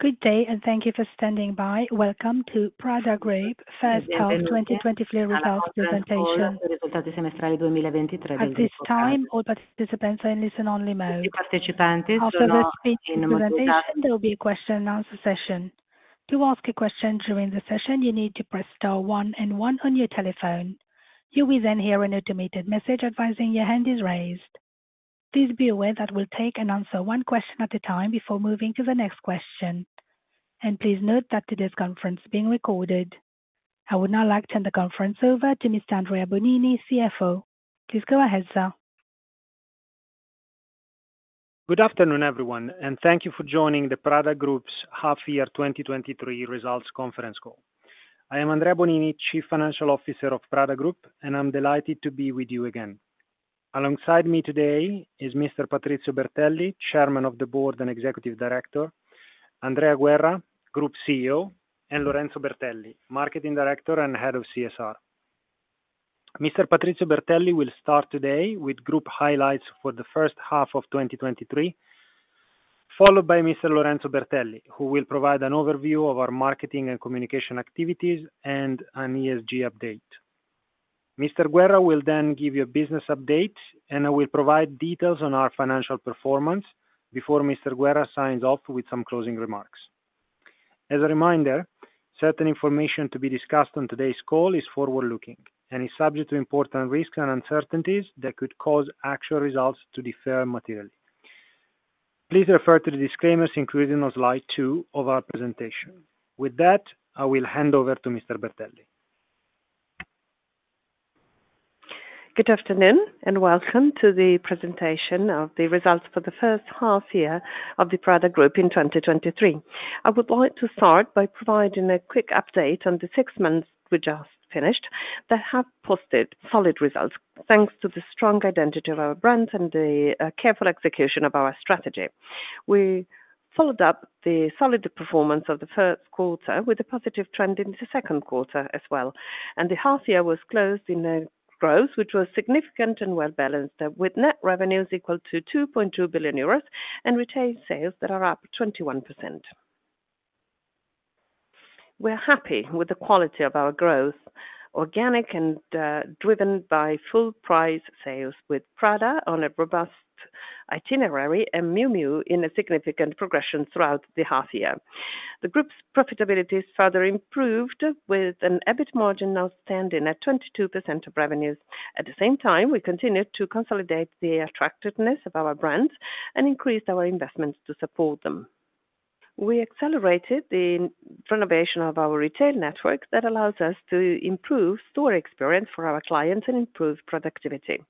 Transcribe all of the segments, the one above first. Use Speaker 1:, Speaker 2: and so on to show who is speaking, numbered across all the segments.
Speaker 1: Good day, thank you for standing by. Welcome to Prada Group First Half 2023 Results Presentation. At this time, all participants are in listen-only mode. After the speech presentation, there will be a question and answer session. To ask a question during the session, you need to press star one and one on your telephone. You will hear an automated message advising your hand is raised. Please be aware that we'll take and answer one question at a time before moving to the next question. Please note that today's conference is being recorded. I would now like to turn the conference over to Mr. Andrea Bonini, CFO. Please go ahead, sir.
Speaker 2: Good afternoon, everyone, thank you for joining the Prada Group's half year 2023 results conference call. I am Andrea Bonini, Chief Financial Officer of Prada Group, and I'm delighted to be with you again. Alongside me today is Mr. Patrizio Bertelli, Chairman of the Board and Executive Director, Andrea Guerra, Group CEO, and Lorenzo Bertelli, Marketing Director and Head of CSR. Mr. Patrizio Bertelli will start today with group highlights for the first half of 2023, followed by Mr. Lorenzo Bertelli, who will provide an overview of our marketing and communication activities and an ESG update. Mr. Guerra will then give you a business update, and I will provide details on our financial performance before Mr. Guerra signs off with some closing remarks. As a reminder, certain information to be discussed on today's call is forward-looking and is subject to important risks and uncertainties that could cause actual results to differ materially. Please refer to the disclaimers included on slide two of our presentation. With that, I will hand over to Mr. Bertelli.
Speaker 3: Good afternoon and welcome to the presentation of the results for the first half year of the Prada Group in 2023. I would like to start by providing a quick update on the six months we just finished that have posted solid results, thanks to the strong identity of our brand and the careful execution of our strategy. We followed up the solid performance of the Q1 with a positive trend in the Q2 as well, and the half year was closed in a growth, which was significant and well-balanced, with net revenues equal to 2.2 billion euros and retail sales that are up 21%. We're happy with the quality of our growth, organic and driven by full price sales with Prada on a robust itinerary and Miu Miu in a significant progression throughout the half year. The group's profitability is further improved, with an EBIT margin now standing at 22% of revenues. At the same time, we continued to consolidate the attractiveness of our brands and increased our investments to support them. We accelerated the renovation of our retail network that allows us to improve store experience for our clients and improve productivity.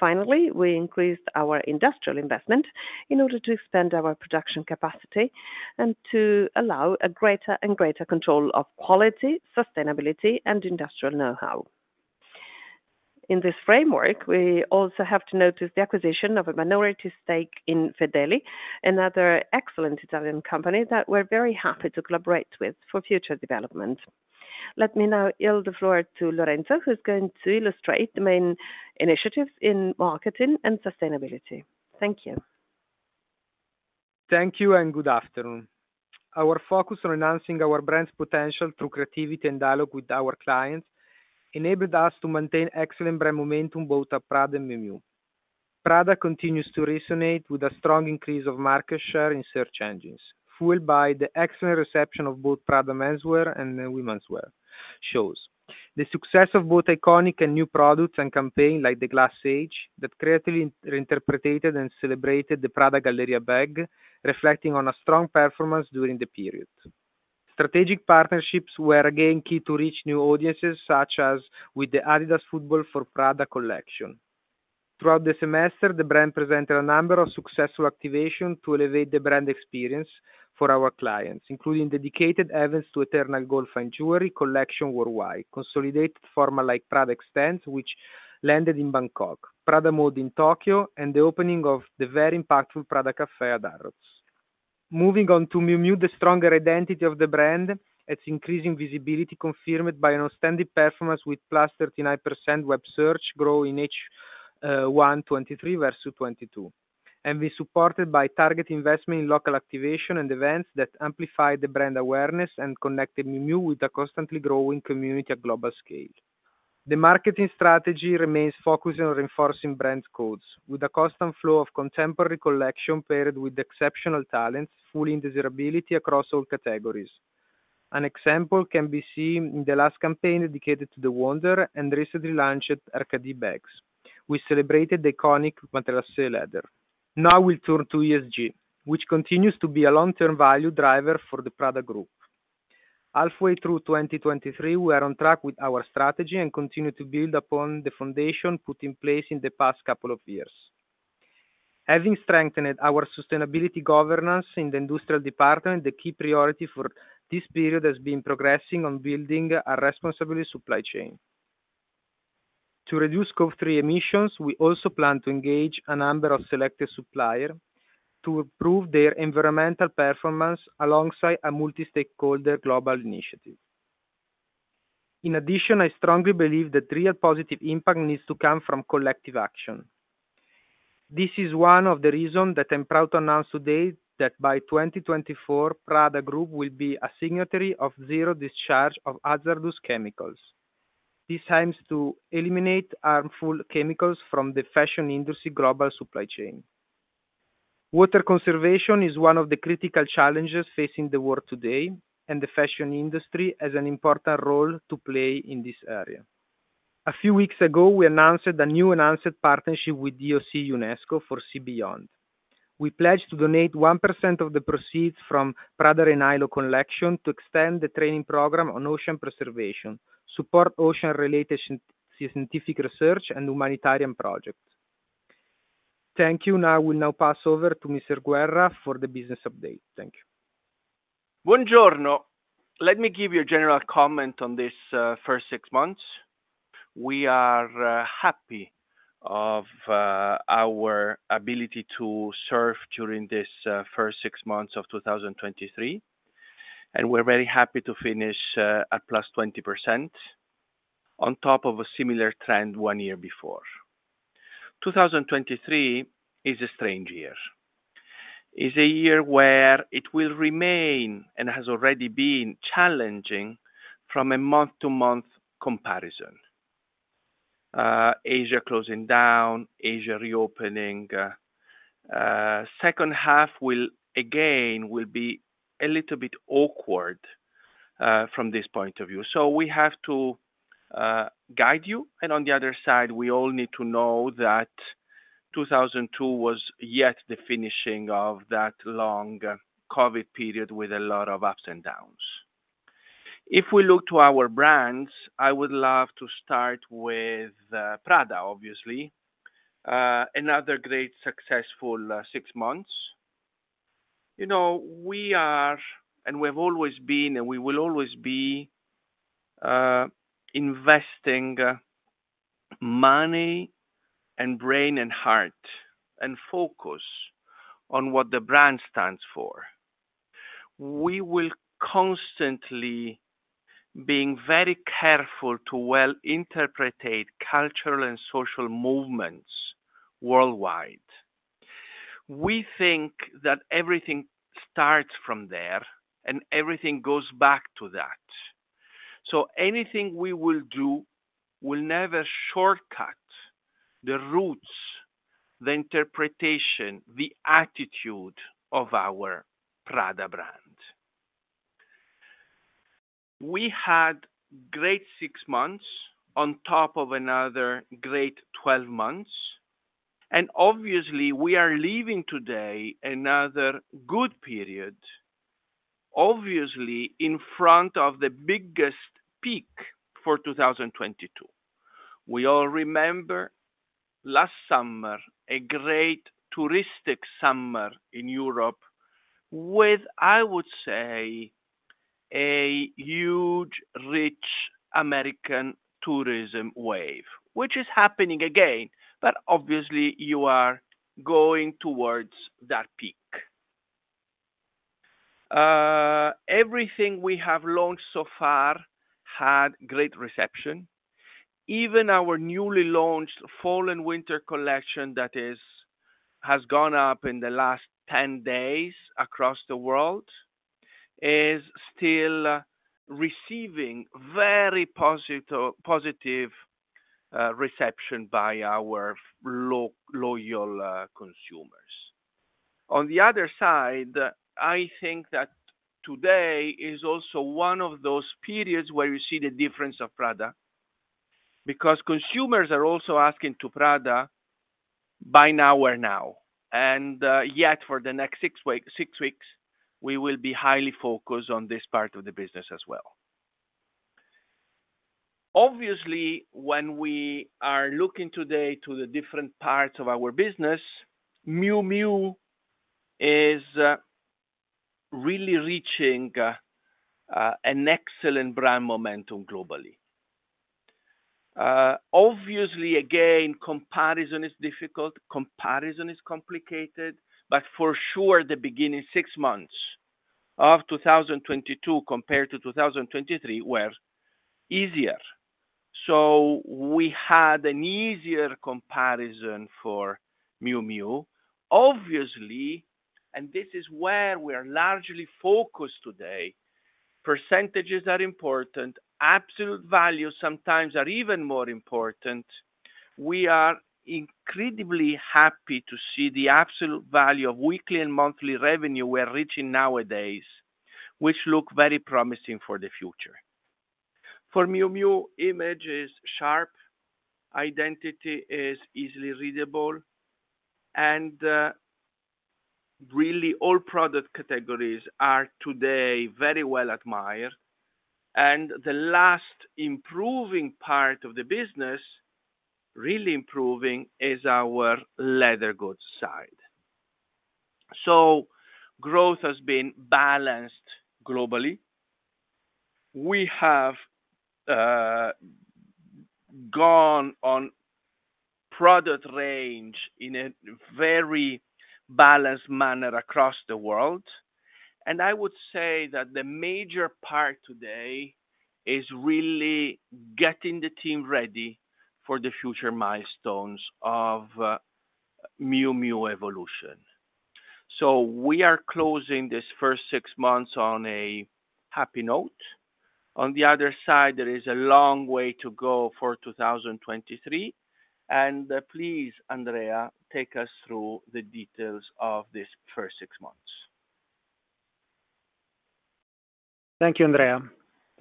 Speaker 3: Finally, we increased our industrial investment in order to expand our production capacity and to allow a greater and greater control of quality, sustainability, and industrial know-how. In this framework, we also have to notice the acquisition of a minority stake in Fedeli, another excellent Italian company that we're very happy to collaborate with for future development. Let me now yield the floor to Lorenzo, who's going to illustrate the main initiatives in marketing and sustainability. Thank you.
Speaker 4: Thank you and good afternoon. Our focus on enhancing our brand's potential through creativity and dialogue with our clients enabled us to maintain excellent brand momentum, both at Prada and Miu Miu. Prada continues to resonate with a strong increase of market share in search engines, fueled by the excellent reception of both Prada menswear and womenswear shows. The success of both iconic and new products and campaign, like The Glass Age, that creatively reinterpreted and celebrated the Prada Galleria bag, reflecting on a strong performance during the period. Strategic partnerships were again key to reach new audiences, such as with the Adidas Football for Prada collection. Throughout the semester, the brand presented a number of successful activations to elevate the brand experience for our clients, including dedicated events to Eternal Gold Fine Jewelry collection worldwide, consolidated format like Prada Extends, which landed in Bangkok, Prada Mode in Tokyo, and the opening of the very impactful Prada Caffè at Harrods. Moving on to Miu Miu, the stronger identity of the brand, its increasing visibility confirmed by an outstanding performance with +39% web search grow in H1 2023 versus 2022, and be supported by target investment in local activation and events that amplify the brand awareness and connected Miu Miu with a constantly growing community at global scale. The marketing strategy remains focused on reinforcing brand codes, with a constant flow of contemporary collection, paired with exceptional talents, fully in desirability across all categories. An example can be seen in the last campaign dedicated to the Wonder and recently launched Arcadie bags. We celebrated the iconic Matelassé Leather. Now we turn to ESG, which continues to be a long-term value driver for the Prada Group. Halfway through 2023, we are on track with our strategy and continue to build upon the foundation put in place in the past couple of years. Having strengthened our sustainability governance in the industrial department, the key priority for this period has been progressing on building a responsible supply chain. To reduce Scope 3 emissions, we also plan to engage a number of selected supplier to improve their environmental performance alongside a multi-stakeholder global initiative. I strongly believe that real positive impact needs to come from collective action. This is one of the reasons that I'm proud to announce today that by 2024, Prada Group will be a signatory of Zero Discharge of Hazardous Chemicals. This aims to eliminate harmful chemicals from the fashion industry global supply chain. Water conservation is one of the critical challenges facing the world today, and the fashion industry has an important role to play in this area. A few weeks ago, we announced a new enhanced partnership with IOC-UNESCO for Sea Beyond. We pledged to donate 1% of the proceeds from Prada Re-Nylon collection to extend the training program on ocean preservation, support ocean-related scientific research, and humanitarian projects. Thank you. I will now pass over to Mr. Guerra for the business update. Thank you.
Speaker 5: Buongiorno! Let me give you a general comment on this first six months. We are happy of our ability to serve during this first six months of 2023, and we're very happy to finish at +20% on top of a similar trend one year before. 2023 is a strange year. It's a year where it will remain and has already been challenging from a month-to-month comparison. Asia closing down, Asia reopening, second half will again be a little bit awkward from this point of view. So we have to guide you, and on the other side, we all need to know that 2022 was yet the finishing of that long COVID period with a lot of ups and downs. If we look to our brands, I would love to start with Prada, obviously, another great successful six months. You know, we are, and we've always been, and we will always be, investing money and brain and heart and focus on what the brand stands for. We will constantly being very careful to well interpretate cultural and social movements worldwide. We think that everything starts from there, and everything goes back to that. So anything we will do will never shortcut, the roots, the interpretation, the attitude of our Prada brand. We had great six months on top of another great 12 months, and obviously, we are leaving today another good period, obviously, in front of the biggest peak for 2022. We all remember last summer, a great touristic summer in Europe, with, I would say, a huge, rich American tourism wave, which is happening again, but obviously you are going towards that peak. Everything we have launched so far had great reception. Even our newly launched fall and winter collection, that is, has gone up in the last 10 days across the world, is still receiving very positive reception by our loyal consumers. On the other side, I think that today is also one of those periods where you see the difference of Prada, because consumers are also asking to Prada, "Buy now or now?" And yet for the next six weeks, we will be highly focused on this part of the business as well. Obviously, when we are looking today to the different parts of our business, Miu Miu is really reaching an excellent brand momentum globally. Obviously, again, comparison is difficult, comparison is complicated, for sure, the beginning six months of 2022 compared to 2023, were easier. So we had an easier comparison for Miu Miu. Obviously, and this is where we are largely focused today, percentages are important, absolute values sometimes are even more important. We are incredibly happy to see the absolute value of weekly and monthly revenue we're reaching nowadays, which look very promising for the future. For Miu Miu, image is sharp, identity is easily readable, really all product categories are today very well admired, the last improving part of the business, really improving, is our leather goods side. So growth has been balanced globally. We have gone on product range in a very balanced manner across the world. And I would say that the major part today is really getting the team ready for the future milestones of Miu Miu evolution. So we are closing this first six months on a happy note. On the other side, there is a long way to go for 2023. Please, Andrea, take us through the details of this first six months.
Speaker 2: Thank you, Andrea.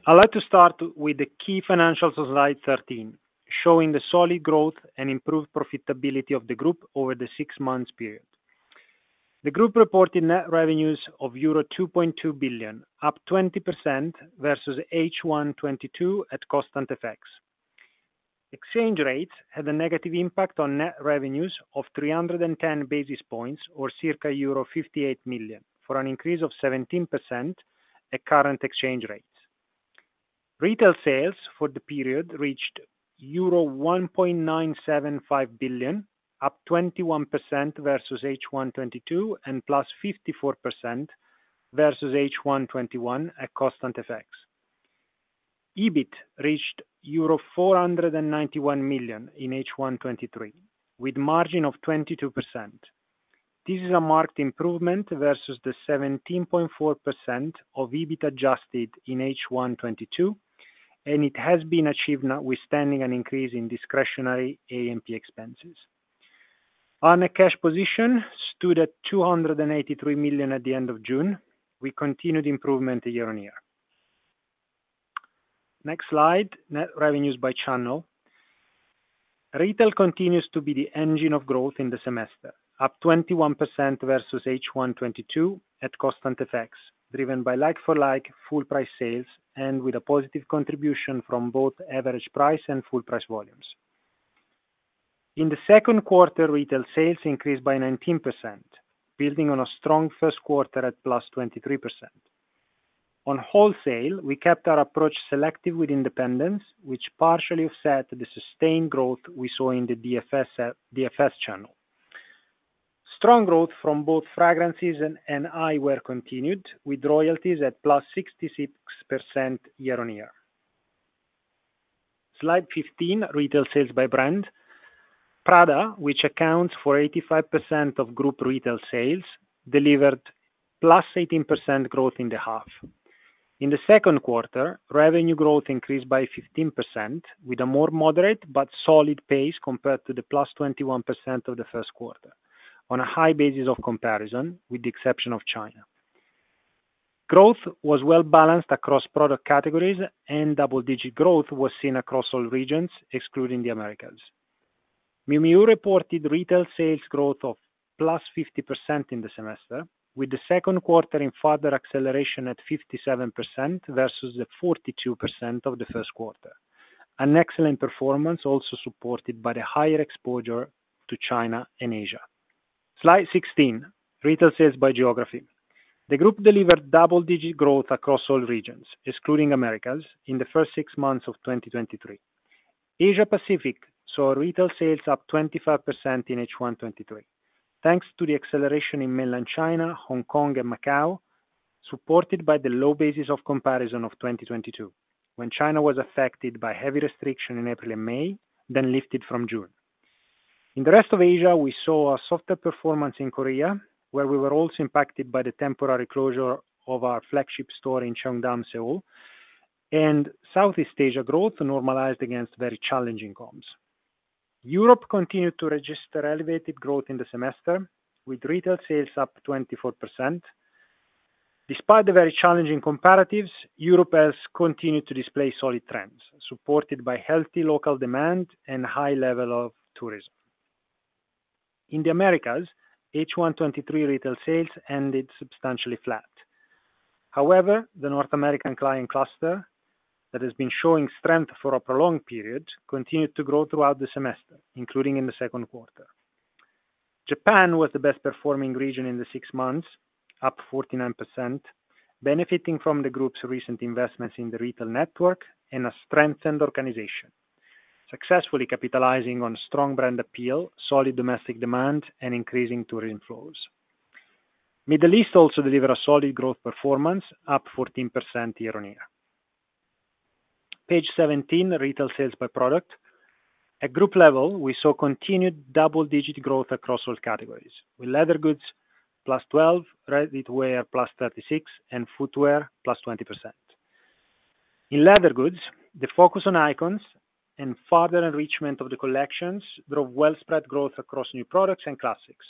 Speaker 2: I'd like to start with the key financials on slide 13, showing the solid growth and improved profitability of the group over the six months period. The group reported net revenues of euro 2.2 billion, up 20% versus H1 2022 at constant FX. Exchange rates had a negative impact on net revenues of 310 basis points, or circa euro 58 million, for an increase of 17% at current exchange rates. Retail sales for the period reached euro 1.975 billion, up 21% versus H1 2022, and +54% versus H1 2021 at constant FX. EBIT reached euro 491 million in H1 2023, with margin of 22%. This is a marked improvement versus the 17.4% of adjusted EBIT in H1 2022. It has been achieved notwithstanding an increase in discretionary A&P expenses. On a cash position, stood at $283 million at the end of June. We continued improvement year-over-year. Next slide, net revenues by channel. Retail continues to be the engine of growth in the semester, up 21% versus H1 2022 at constant FX, driven by like-for-like full price sales and with a positive contribution from both average price and full price volumes. In the Q2, retail sales increased by 19%, building on a strong Q1 at +23%. On wholesale, we kept our approach selective with independence, which partially offset the sustained growth we saw in the DFS channel. Strong growth from both fragrances and eyewear continued, with royalties at +66% year-on-year. Slide 15, retail sales by brand. Prada, which accounts for 85% of group retail sales, delivered +18% growth in the half. In the Q2, revenue growth increased by 15%, with a more moderate but solid pace compared to the +21% of the Q1, on a high basis of comparison, with the exception of China. Growth was well-balanced across product categories, and double-digit growth was seen across all regions, excluding the Americas. Miu Miu reported retail sales growth of +50% in the semester, with the Q2 in further acceleration at 57% versus the 42% of the Q1. An excellent performance also supported by the higher exposure to China and Asia. Slide 16, retail sales by geography. The group delivered double-digit growth across all regions, excluding Americas, in the first six months of 2023. Asia Pacific saw retail sales up 25% in H1 2023, thanks to the acceleration in Mainland China, Hong Kong and Macau, supported by the low basis of comparison of 2022, when China was affected by heavy restriction in April and May, lifted from June. In the rest of Asia, we saw a softer performance in Korea, where we were also impacted by the temporary closure of our flagship store in Cheongdam, Seoul, and Southeast Asia growth normalized against very challenging comps. Europe continued to register elevated growth in the semester, with retail sales up 24%. Despite the very challenging comparatives, Europe has continued to display solid trends, supported by healthy local demand and high level of tourism. In the Americas, H1 2023 retail sales ended substantially flat. However, the North American client cluster that has been showing strength for a prolonged period, continued to grow throughout the semester, including in the Q2. Japan was the best performing region in the six months, up 49%, benefiting from the group's recent investments in the retail network and a strengthened organization, successfully capitalizing on strong brand appeal, solid domestic demand, and increasing tourism flows. Middle East also delivered a solid growth performance, up 14% year-over-year. Page 17, retail sales by product. At group level, we saw continued double-digit growth across all categories, with leather goods plus 12, ready-to-wear plus 36, and footwear plus 20%. In leather goods, the focus on icons and further enrichment of the collections drove well spread growth across new products and classics.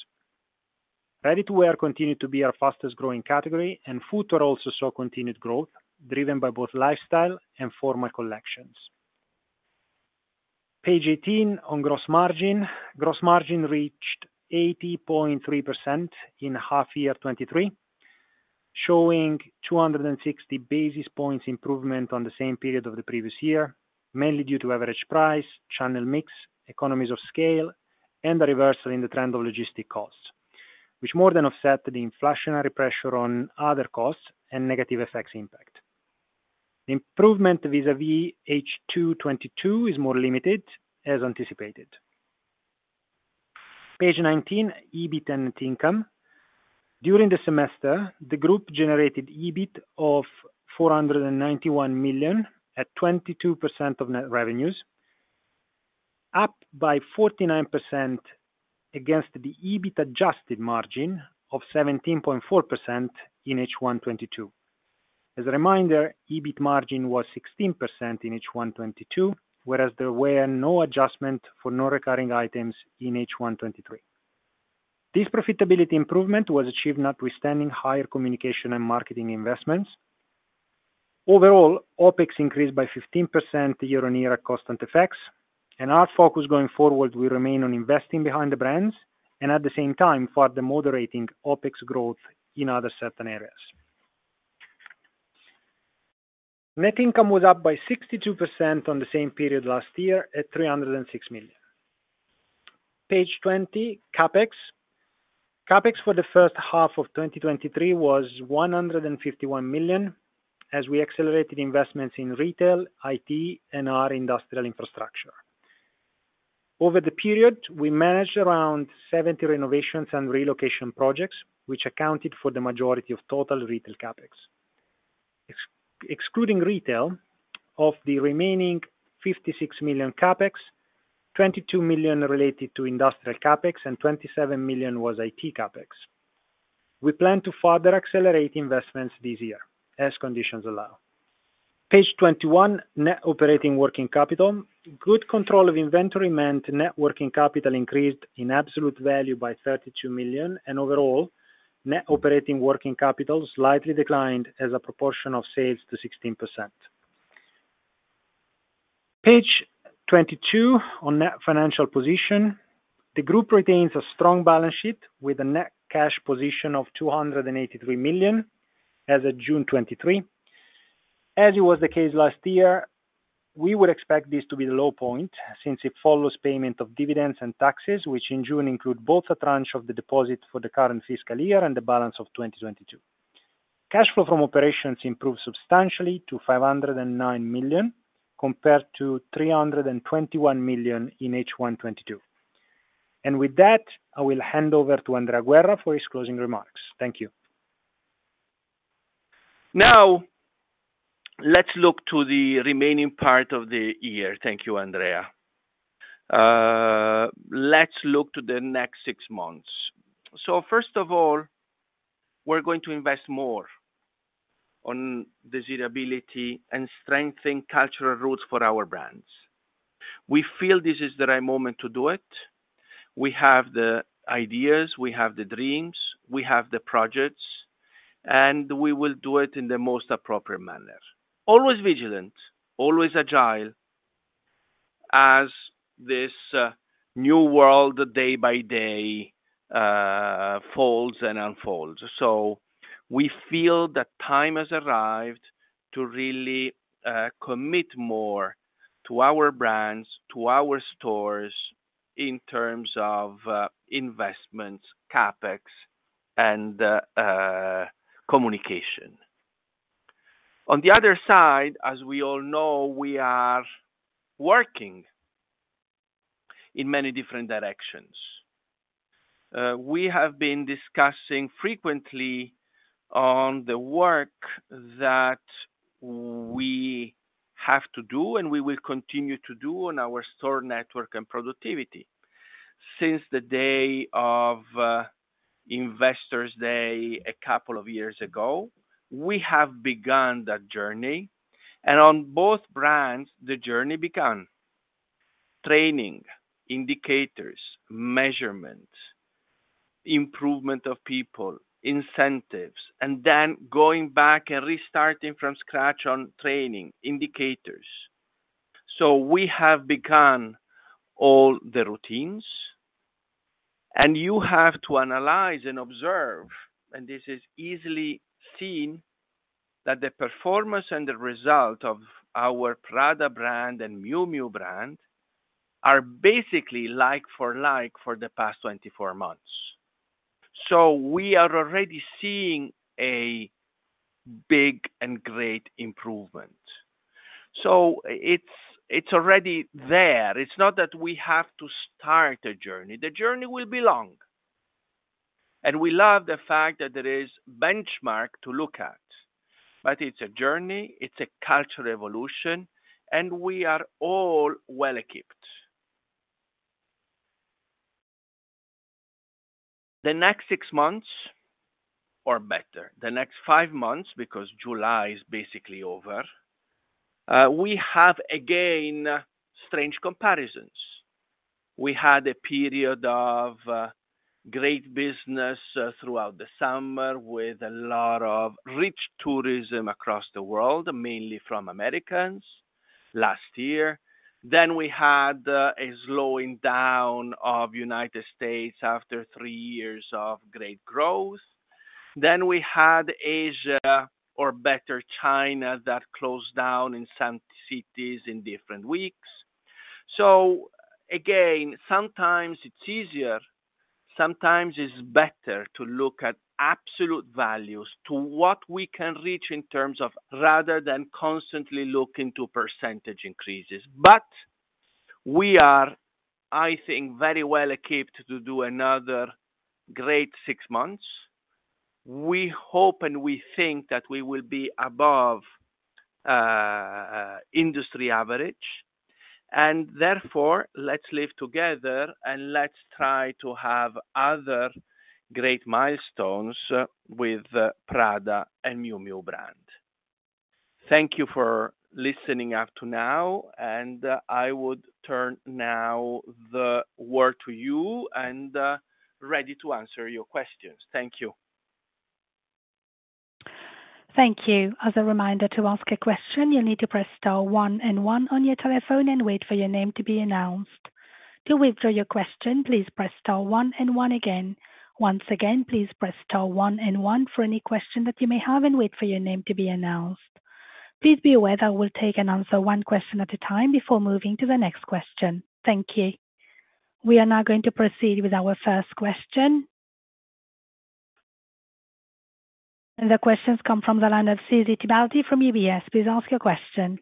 Speaker 2: Ready-to-wear continued to be our fastest growing category, and footwear also saw continued growth, driven by both lifestyle and formal collections. Page 18, on gross margin. Gross margin reached 80.3% in half year 2023, showing 260 basis points improvement on the same period of the previous year, mainly due to average price, channel mix, economies of scale, and a reversal in the trend of logistic costs. More than offset the inflationary pressure on other costs and negative effects impact. Improvement vis-a-vis H2 2022 is more limited, as anticipated. Page 19, EBIT and income. During the semester, the group generated EBIT of 491 million, at 22% of net revenues, up by 49% against the EBIT adjusted margin of 17.4% in H1 2022. As a reminder, EBIT margin was 16% in H1 2022, whereas there were no adjustment for non-recurring items in H1 2023. This profitability improvement was achieved notwithstanding higher communication and marketing investments. Overall, OpEx increased by 15% year-on-year at constant effects, and our focus going forward will remain on investing behind the brands and at the same time, further moderating OpEx growth in other certain areas. Net income was up by 62% on the same period last year at 306 million. Page 20, CapEx. CapEx for the first half of 2023 was 151 million as we accelerated investments in retail, IT, and our industrial infrastructure. Over the period, we managed around 70 renovations and relocation projects, which accounted for the majority of total retail CapEx. Excluding retail, of the remaining 56 million CapEx, 22 million related to industrial CapEx, and 27 million was IT CapEx. We plan to further accelerate investments this year, as conditions allow. Page 21, net operating working capital. Good control of inventory meant net working capital increased in absolute value by 32 million, and overall, net operating working capital slightly declined as a proportion of sales to 16%. Page 22, on net financial position. The group retains a strong balance sheet with a net cash position of 283 million as of June 2023. As it was the case last year, we would expect this to be the low point since it follows payment of dividends and taxes, which in June include both a tranche of the deposit for the current fiscal year and the balance of 2022. Cash flow from operations improved substantially to 509 million, compared to 321 million in H1 2022. With that, I will hand over to Andrea Guerra for his closing remarks. Thank you.
Speaker 5: Now, let's look to the remaining part of the year. Thank you, Andrea. Let's look to the next six months. First of all, we're going to invest more on desirability and strengthen cultural roots for our brands. We feel this is the right moment to do it. We have the ideas, we have the dreams, we have the projects, and we will do it in the most appropriate manner. Always vigilant, always agile, as this new world, day by day, folds and unfolds. So, we feel the time has arrived to really commit more to our brands, to our stores in terms of investments, CapEx, and communication. On the other side, as we all know, we are working in many different directions. We have been discussing frequently on the work that we have to do. We will continue to do on our store network and productivity. Since the day of Investor Day, a couple of years ago, we have begun that journey. On both brands, the journey began. Training, indicators, measurements, improvement of people, incentives, and then going back and restarting from scratch on training, indicators. We have begun all the routines. You have to analyze and observe, and this is easily seen, that the performance and the result of our Prada brand and Miu Miu brand are basically like-for-like for the past 24 months. It's already there. It's not that we have to start a journey. The journey will be long. And we love the fact that there is benchmark to look at, it's a journey, it's a cultural evolution and we are all well-equipped. The next six months, or better, the next five months, because July is basically over, we have again, strange comparisons. We had a period of great business throughout the summer, with a lot of rich tourism across the world, mainly from Americans last year. We had a slowing down of United States after three years of great growth. We had Asia or better, China, that closed down in some cities in different weeks. Again, sometimes it's easier, sometimes it's better to look at absolute values to what we can reach in terms of rather than constantly looking to % increases. We are, I think, very well equipped to do another great six months. We hope, and we think that we will be above, industry average, and therefore, let's live together, and let's try to have other great milestones with, Prada and Miu Miu brand. Thank you for listening up to now, and I would turn now the word to you, and, ready to answer your questions. Thank you.
Speaker 1: Thank you. As a reminder, to ask a question, you'll need to press star one and one on your telephone and wait for your name to be announced. To withdraw your question, please press star one and one again. Once again, please press star one and one for any question that you may have, and wait for your name to be announced. Please be aware that we'll take and answer one question at a time before moving to the next question. Thank you. We are now going to proceed with our first question. The questions come from the line of Susy Tibaldi from UBS. Please ask your question.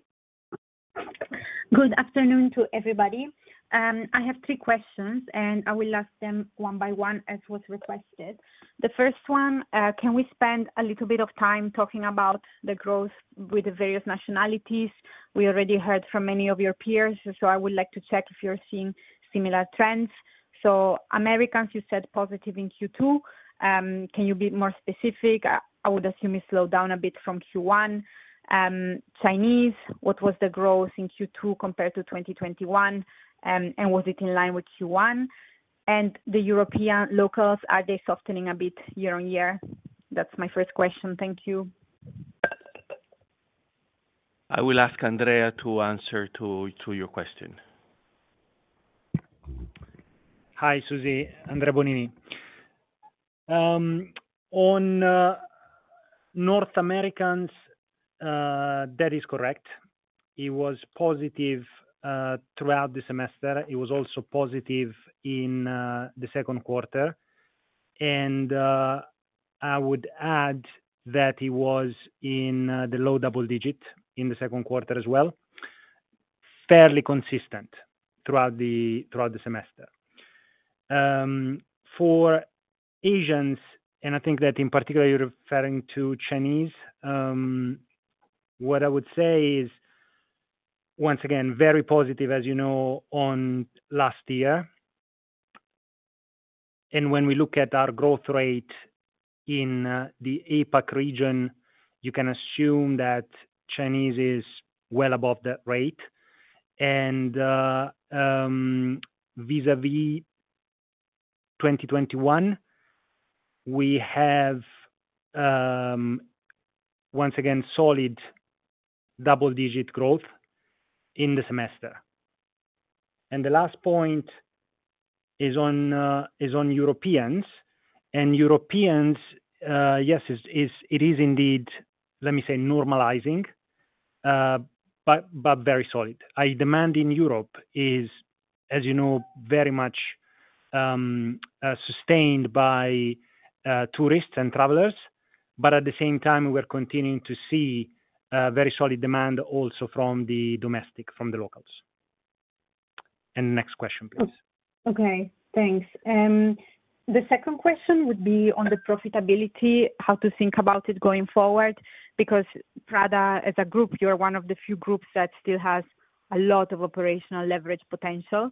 Speaker 6: Good afternoon to everybody. I have three questions, and I will ask them one by one, as was requested. The first one, can we spend a little bit of time talking about the growth with the various nationalities? We already heard from many of your peers, so I would like to check if you're seeing similar trends. So, Americans, you said, positive in Q2. Can you be more specific? I would assume it slowed down a bit from Q1. Chinese, what was the growth in Q2 compared to 2021, and was it in line with Q1? And the European locals, are they softening a bit year-on-year? That's my first question. Thank you.
Speaker 5: I will ask Andrea to answer to your question.
Speaker 2: Hi, Susy. Andrea Bonini. On North Americans, that is correct. It was positive throughout the semester. It was also positive in the Q2, and I would add that it was in the low double digit in the Q2 as well, fairly consistent throughout the semester. For Asians, and I think that in particular, you're referring to Chinese, what I would say is, once again, very positive, as you know, on last year. And when we look at our growth rate in the APAC region, you can assume that Chinese is well above that rate. And vis-à-vis 2021, we have, once again, solid double-digit growth in the semester. And the last point is on, is on Europeans, and Europeans, yes, it is indeed, let me say, normalizing, but very solid. Demand in Europe is, as you know, very much, sustained by, tourists and travelers, but at the same time, we're continuing to see a very solid demand also from the domestic, the locals. Next question, please.
Speaker 6: Thanks. The second question would be on the profitability, how to think about it going forward, because Prada, as a group, you are one of the few groups that still has a lot of operational leverage potential.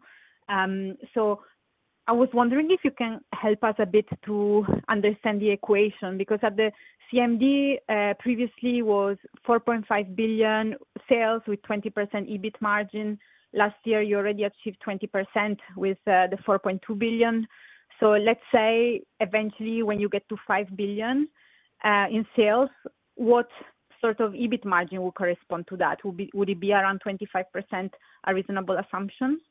Speaker 6: I was wondering if you can help us a bit to understand the equation, because at the CMD, previously was 4.5 billion sales with 20% EBIT margin. Last year, you already achieved 20% with the 4.2 billion. Let's say eventually, when you get to 5 billion in sales, what sort of EBIT margin will correspond to that? Would it be around 25%, a reasonable assumption?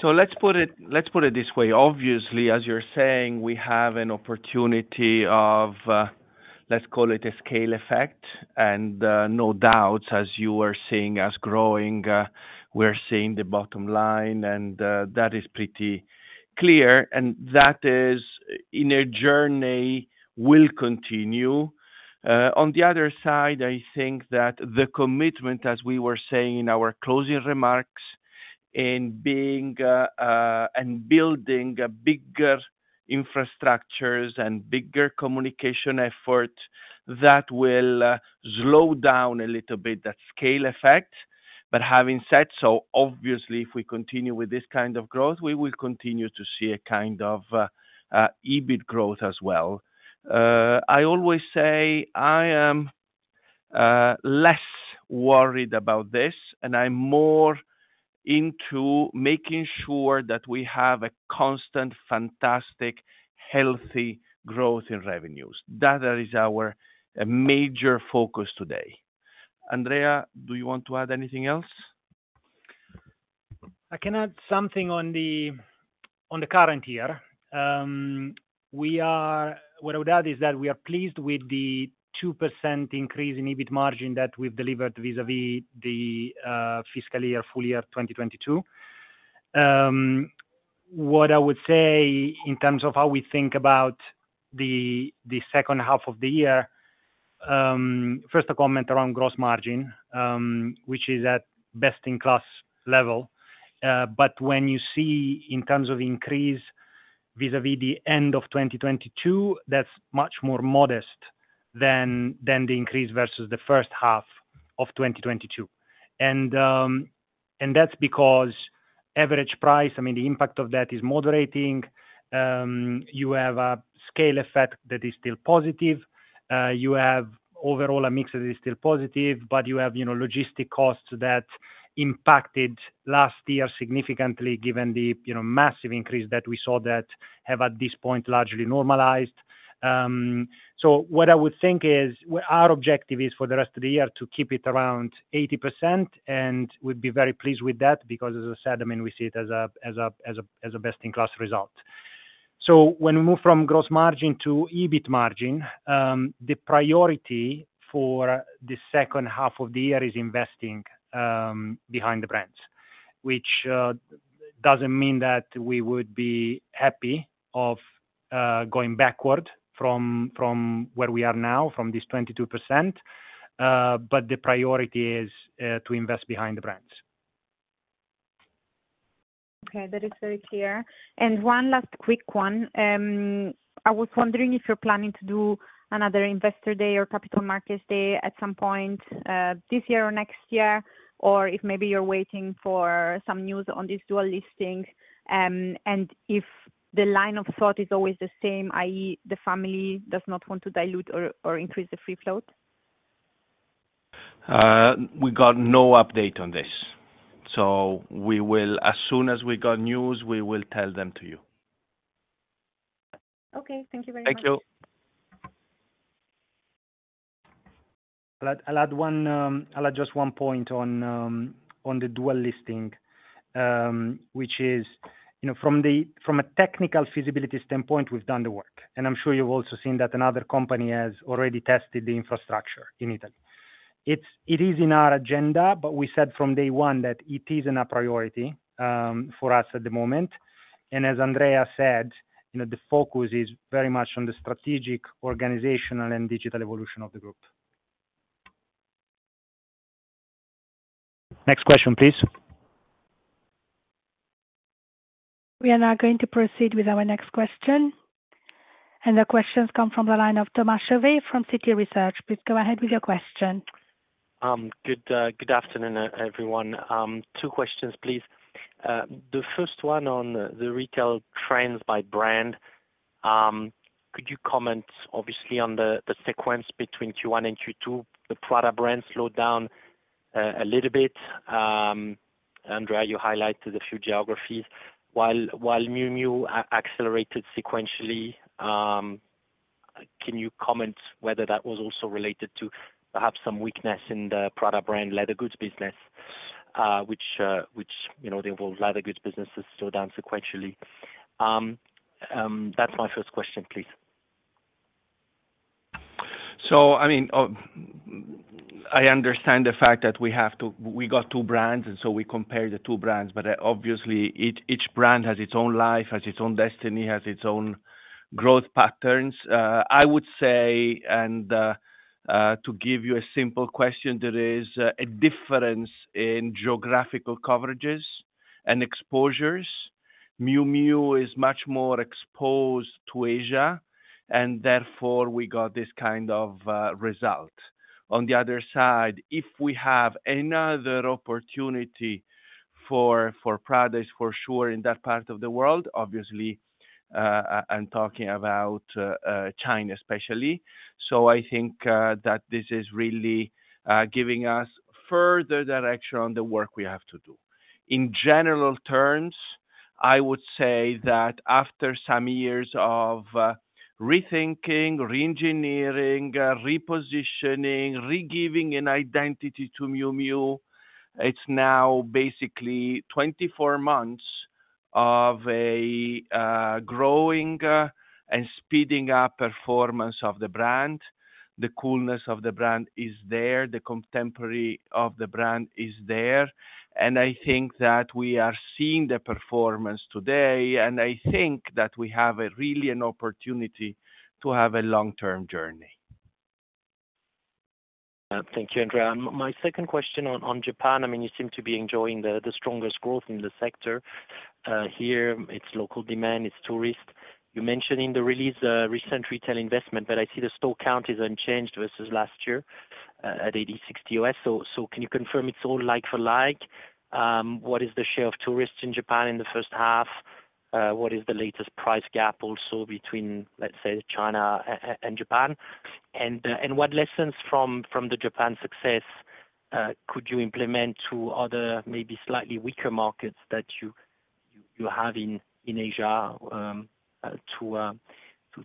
Speaker 5: So let's put it this way. Obviously, as you're saying, we have an opportunity of, let's call it a scale effect. And no doubts, as you are seeing us growing, we're seeing the bottom line, and that is pretty clear, and that is in a journey will continue. On the other side, I think that the commitment, as we were saying in our closing remarks, in being and building a bigger infrastructures and bigger communication effort, that will slow down a little bit, that scale effect. But having said so, obviously, if we continue with this kind of growth, we will continue to see a kind of EBIT growth as well. I always say I am less worried about this, and I'm more into making sure that we have a constant, fantastic, healthy growth in revenues. That is our major focus today. Andrea, do you want to add anything else?
Speaker 2: I can add something on the, on the current year. We are, what I would add is that we are pleased with the 2% increase in EBIT margin that we've delivered vis-a-vis the fiscal year, full year 2022. What I would say in terms of how we think about the second half of the year, first, a comment around gross margin, which is at best-in-class level. When you see in terms of increase vis-a-vis the end of 2022, that's much more modest than the increase versus the first half of 2022. That's because average price, the impact of that is moderating. You have a scale effect that is still positive. You have overall a mix that is still positive, but you have, you know, logistic costs that impacted last year significantly given the, you know, massive increase that we saw that have, at this point, largely normalized. So what I would think is, well, our objective is for the rest of the year to keep it around 80%, and we'd be very pleased with that, because as I said, I mean, we see it as a best-in-class result. So when we move from gross margin to EBIT margin, the priority for the second half of the year is investing behind the brands. Which doesn't mean that we would be happy of going backward from, from where we are now, from this 22%, but the priority is to invest behind the brands.
Speaker 6: Okay, that is very clear. And one last quick one. I was wondering if you're planning to do another Investor Day or capital markets day at some point this year or next year, or if maybe you're waiting for some news on this dual listing, and if the line of thought is always the same, i.e., the family does not want to dilute or increase the free float?
Speaker 2: We got no update on this, so we will... As soon as we got news, we will tell them to you.
Speaker 6: Okay, thank you very much.
Speaker 2: Thank you.
Speaker 5: I'll add one, I'll add just one point on the dual listing, which is, you know, from a technical feasibility standpoint, we've done the work, and I'm sure you've also seen that another company has already tested the infrastructure in Italy. It is in our agenda. We said from day one that it isn't a priority for us at the moment. As Andrea said, you know, the focus is very much on the strategic, organizational, and digital evolution of the group. Next question, please.
Speaker 1: We are now going to proceed with our next question. The questions come from the line of Thomas Chauvet from Citi Research. Please go ahead with your question.
Speaker 7: Good afternoon, everyone. Two questions, please. The first one on the retail trends by brand. Could you comment obviously on the sequence between Q1 and Q2? The Prada brand slowed down a little bit. Andrea, you highlighted a few geographies, while Miu Miu accelerated sequentially. Can you comment whether that was also related to perhaps some weakness in the Prada brand leather goods business, which, you know, the overall leather goods business has slowed down sequentially? That's my first question, please.
Speaker 5: So I mean, I understand the fact that we got two brands, and so we compare the two brands, but obviously, each brand has its own life, has its own destiny, has its own growth patterns. I would say, and to give you a simple question, there is a difference in geographical coverages and exposures. Miu Miu is much more exposed to Asia, and therefore we got this kind of result. On the other side, if we have another opportunity for products for sure in that part of the world, obviously, I'm talking about China especially. I think that this is really giving us further direction on the work we have to do. In general terms, I would say that after some years of rethinking, reengineering, repositioning, re-giving an identity to Miu Miu, it's now basically 24 months of a growing and speeding up performance of the brand. The coolness of the brand is there, the contemporary of the brand is there, and I think that we are seeing the performance today, and I think that we have a really an opportunity to have a long-term journey.
Speaker 7: Thank you, Andrea. My second question on Japan, I mean, you seem to be enjoying the strongest growth in the sector. Here, it's local demand, it's tourist. You mentioned in the release, recent retail investment, but I see the store count is unchanged versus last year, at 86 U.S. Can you confirm it's all like for like? What is the share of tourists in Japan in the first half? What is the latest price gap also between, let's say, China and Japan? What lessons from the Japan success could you implement to other, maybe slightly weaker markets that you have in Asia to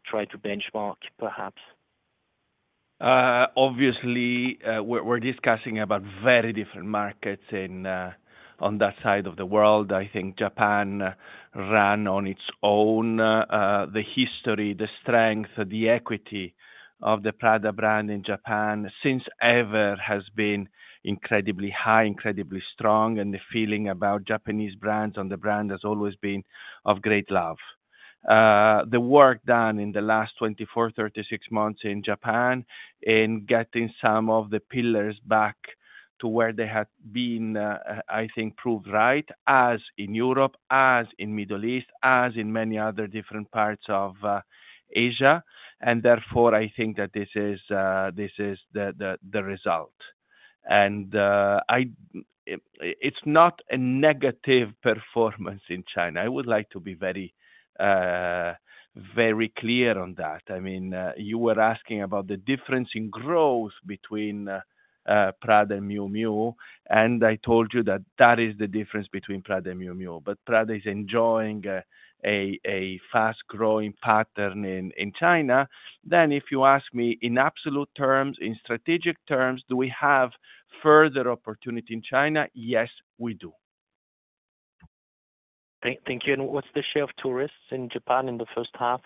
Speaker 7: try to benchmark perhaps?
Speaker 5: Obviously, we're discussing about very different markets in, on that side of the world. I think Japan ran on its own. The history, the strength, the equity of the Prada brand in Japan since ever has been incredibly high, incredibly strong, and the feeling about Japanese brands on the brand has always been of great love. The work done in the last 24, 36 months in Japan, in getting some of the pillars back to where they had been, I think proved right, as in Europe, as in Middle East, as in many other different parts of, Asia. Therefore, I think that this is the result. It's not a negative performance in China. I would like to be very, very clear on that. I mean, you were asking about the difference in growth between Prada and Miu Miu, and I told you that that is the difference between Prada and Miu Miu. Prada is enjoying a fast-growing pattern in China. Then if you ask me, in absolute terms, in strategic terms, do we have further opportunity in China? Yes, we do.
Speaker 7: Thank you. What's the share of tourists in Japan in the first half?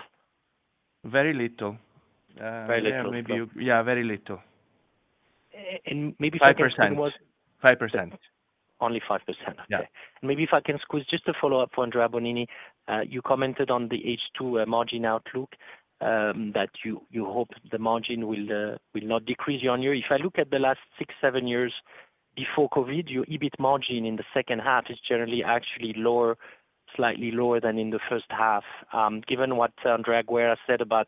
Speaker 5: Very little.
Speaker 2: Very little.
Speaker 5: Yeah, maybe, yeah, very little.
Speaker 7: maybe if I can...
Speaker 5: 5%. 5%.
Speaker 7: Only 5%?
Speaker 5: Yeah.
Speaker 7: Maybe if I can squeeze just a follow-up for Andrea Bonini. You commented on the H2 margin outlook that you hope the margin will not decrease year-over-year. If I look at the last six, seven years before COVID, your EBIT margin in the second half is generally actually lower, slightly lower than in the first half. Given what Andrea Guerra said about,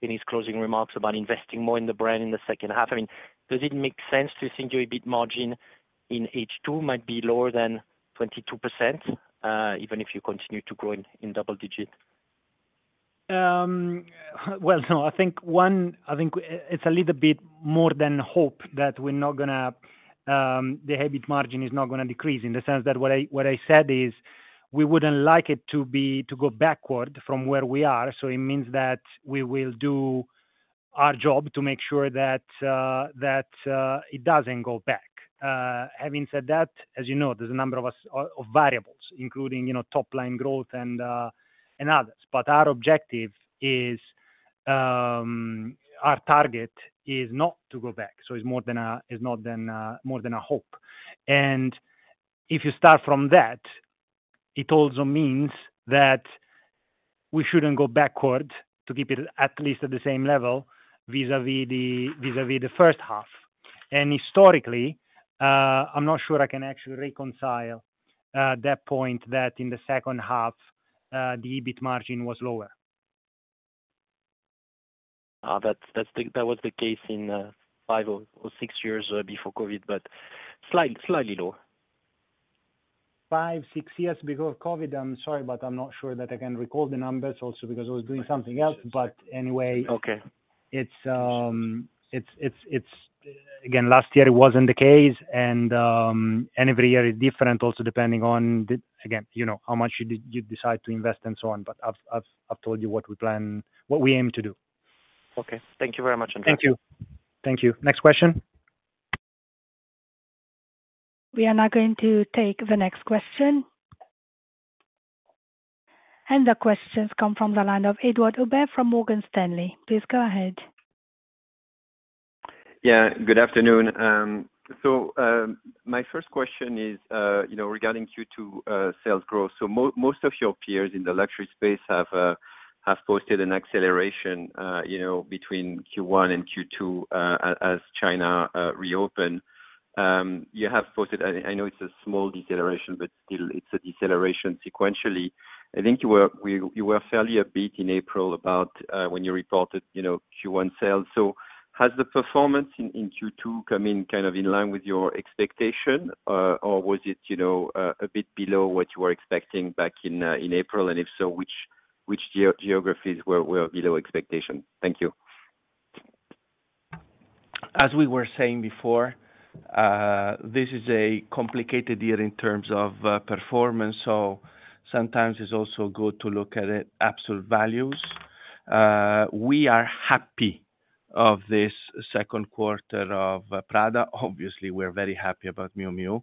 Speaker 7: in his closing remarks, about investing more in the brand in the second half, I mean, does it make sense to think your EBIT margin in H2 might be lower than 22%, even if you continue to grow in double-digit?
Speaker 2: Well, no, I think one, I think it's a little bit more than hope that we're not gonna. The EBIT margin is not gonna decrease, in the sense that what I said is, we wouldn't like it to be, to go backward from where we are. It means that we will do our job to make sure that it doesn't go back. Having said that, as you know, there's a number of variables, including, you know, top line growth and others. Our objective is, our target is not to go back, so it's more than a, it's more than a hope. If you start from that, it also means that we shouldn't go backward to keep it at least at the same level, vis-a-vis the first half. And historically, I'm not sure I can actually reconcile that point that in the second half, the EBIT margin was lower.
Speaker 7: That was the case in, five or six years before COVID, but slightly lower.
Speaker 2: Five, six years before COVID, I'm sorry, but I'm not sure that I can recall the numbers also because I was doing something else. Anyway.
Speaker 7: Okay.
Speaker 2: Again, last year it wasn't the case. And every year is different, also depending on the, again, you know, how much you decide to invest and so on. I've told you what we plan, what we aim to do.
Speaker 7: Okay. Thank you very much, Andrea.
Speaker 5: Thank you. Thank you. Next question?
Speaker 1: We are now going to take the next question. The question come from the line of Edouard Aubin from Morgan Stanley. Please go ahead.
Speaker 8: Yeah, good afternoon. My first question is, you know, regarding Q2 sales growth. Most of your peers in the luxury space have posted an acceleration, you know, between Q1 and Q2 as China reopen. You have posted, I, I know it's a small deceleration, but still it's a deceleration sequentially. I think you were fairly upbeat in April about when you reported, you know, Q1 sales. Has the performance in Q2 come in kind of in line with your expectation or was it, you know, a bit below what you were expecting back in April? If so, which geographies were below expectation? Thank you.
Speaker 5: As we were saying before, this is a complicated year in terms of performance, sometimes it's also good to look at it absolute values. We are happy of this Q2 of Prada. Obviously, we're very happy about Miu Miu.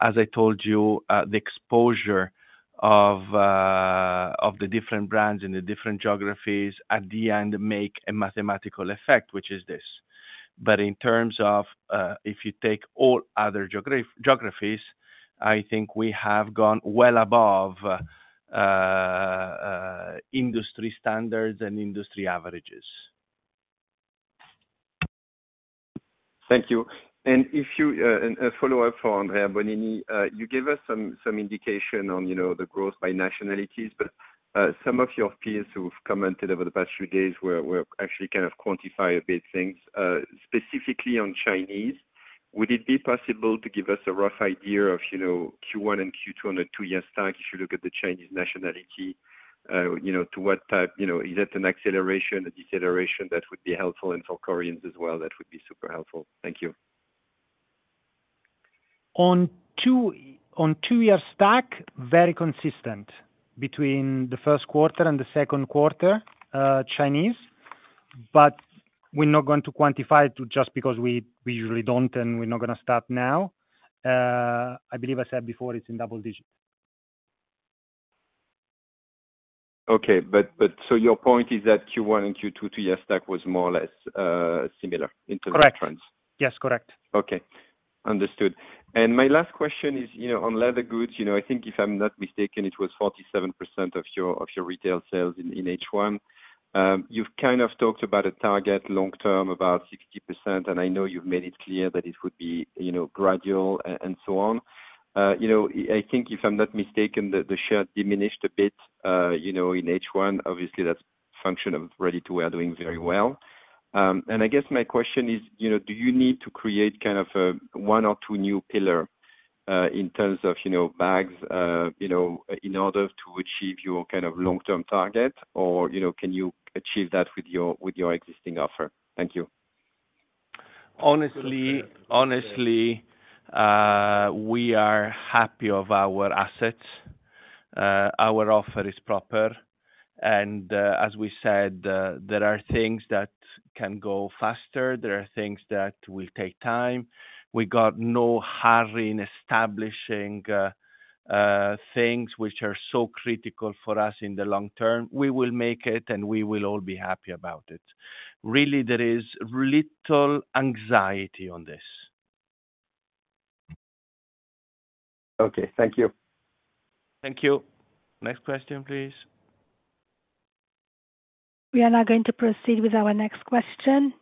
Speaker 5: As I told you, the exposure of the different brands and the different geographies at the end make a mathematical effect, which is this. In terms of, if you take all other geographies, I think we have gone well above industry standards and industry averages.
Speaker 8: Thank you. A follow-up for Andrea Bonini, you gave us some indication on, you know, the growth by nationalities, but some of your peers who've commented over the past few days were actually kind of quantify a bit things, specifically on Chinese. Would it be possible to give us a rough idea of, you know, Q1 and Q2 on a two-year stack, if you look at the Chinese nationality, you know, to what type, you know, is that an acceleration, a deceleration? That would be helpful, and South Koreans as well, that would be super helpful. Thank you.
Speaker 2: On two, on two-year stack, very consistent between the Q1 and the Q2, Chinese, but we're not going to quantify it just because we usually don't, and we're not gonna start now. I believe I said before, it's in double-digit.
Speaker 8: Your point is that Q1 and Q2, two-year stack was more or less similar in terms of trends?
Speaker 2: Correct. Yes, correct.
Speaker 8: Okay, understood. And my last question is, you know, on leather goods, you know, I think if I'm not mistaken, it was 47% of your, of your retail sales in, in H1. You've kind of talked about a target long term, about 60%, and I know you've made it clear that it would be, you know, gradual and so on. You know, I, I think if I'm not mistaken, the, the share diminished a bit, you know, in H1, obviously, that's function of ready to wear doing very well. I guess my question is, you know, do you need to create kind of, one or two new pillar, in terms of, you know, bags, you know, in order to achieve your kind of long-term target? You know, can you achieve that with your, with your existing offer? Thank you.
Speaker 5: Honestly, honestly, we are happy of our assets. Our offer is proper. And as we said, there are things that can go faster, there are things that will take time. We got no hurry in establishing things which are so critical for us in the long term. We will make it, and we will all be happy about it. Really, there is little anxiety on this.
Speaker 8: Okay, thank you.
Speaker 5: Thank you. Next question, please.
Speaker 1: We are now going to proceed with our next question.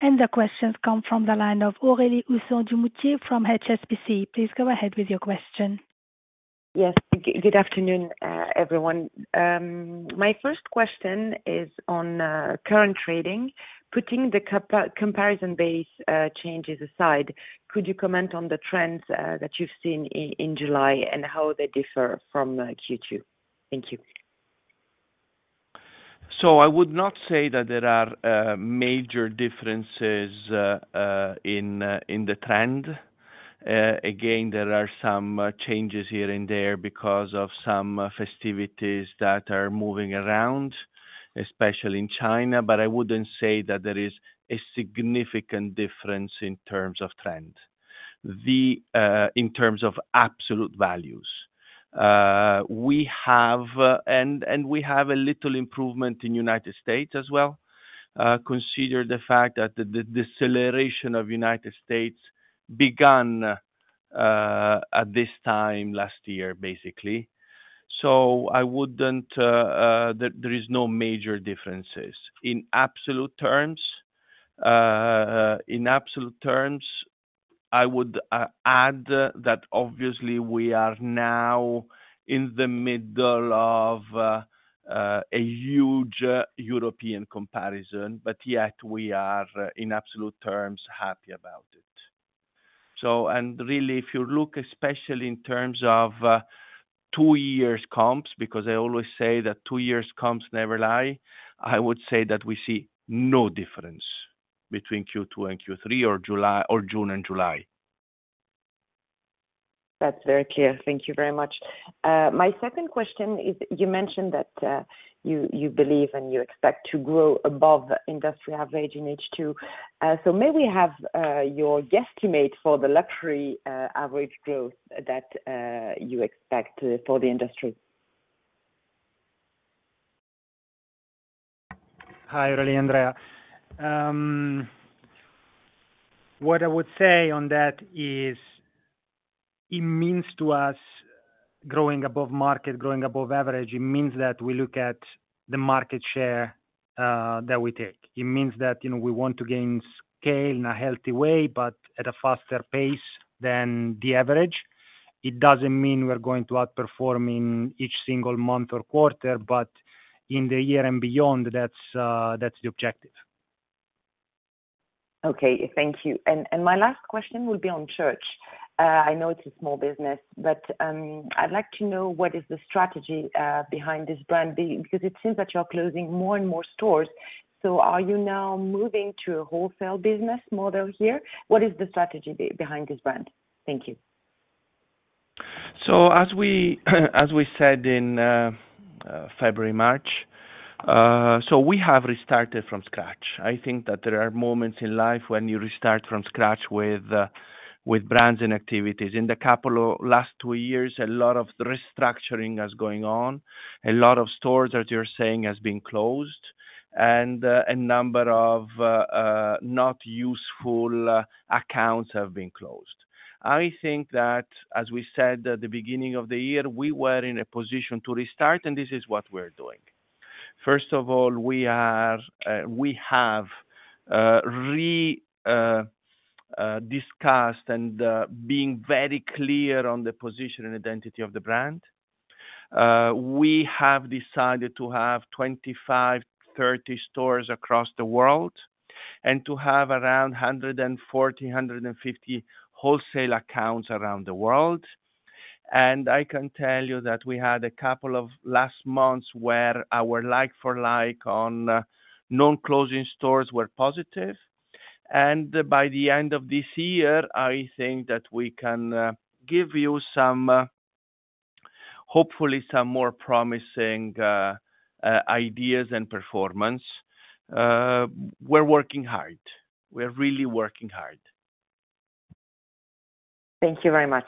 Speaker 1: The question come from the line of Aurelie Husson-Dumoutier from HSBC. Please go ahead with your question.
Speaker 9: Yes. Good afternoon, everyone. My first question is on current trading. Putting the comparison base changes aside, could you comment on the trends that you've seen in July, and how they differ from Q2? Thank you.
Speaker 5: So I would not say that there are major differences in the trend. Again, there are some changes here and there because of some festivities that are moving around, especially in China. But I wouldn't say that there is a significant difference in terms of trend. In terms of absolute values. We have, and we have a little improvement in United States as well, consider the fact that the deceleration of United States began at this time last year, basically. So I wouldn't, there is no major differences. In absolute terms, in absolute terms, I would add that obviously we are now in the middle of a huge European comparison, yet we are, in absolute terms, happy about it. So, and really, if you look, especially in terms of, two years comps, because I always say that two years comps never lie, I would say that we see no difference between Q2 and Q3 or July or June and July.
Speaker 9: That's very clear. Thank you very much. My second question is, you mentioned that you believe and you expect to grow above industry average in H2. May we have your guesstimate for the luxury average growth that you expect for the industry?
Speaker 2: Hi, Aurelie, Andrea. What I would say on that is, it means to us growing above market, growing above average, it means that we look at the market share, that we take. It means that, you know, we want to gain scale in a healthy way, but at a faster pace than the average. It doesn't mean we're going to outperforming each single month or quarter, but in the year and beyond, that's, that's the objective.
Speaker 9: Okay, thank you. And my last question will be on Church's. I know it's a small business, but I'd like to know what is the strategy behind this brand because it seems that you're closing more and more stores. Are you now moving to a wholesale business model here? What is the strategy behind this brand? Thank you.
Speaker 5: As we said in February, March, we have restarted from scratch. I think that there are moments in life when you restart from scratch with brands and activities. In the couple of last two years, a lot of restructuring is going on. A lot of stores, as you're saying, has been closed, and a number of not useful accounts have been closed. I think that, as we said, at the beginning of the year, we were in a position to restart. This is what we're doing. First of all, we are, we have discussed and being very clear on the position and identity of the brand. We have decided to have 25-30 stores across the world, to have around 140-150 wholesale accounts around the world. I can tell you that we had a couple of last months where our like-for-like on non-closing stores were positive. By the end of this year, I think that we can give you some hopefully some more promising ideas and performance. We're working hard. We're really working hard.
Speaker 9: Thank you very much.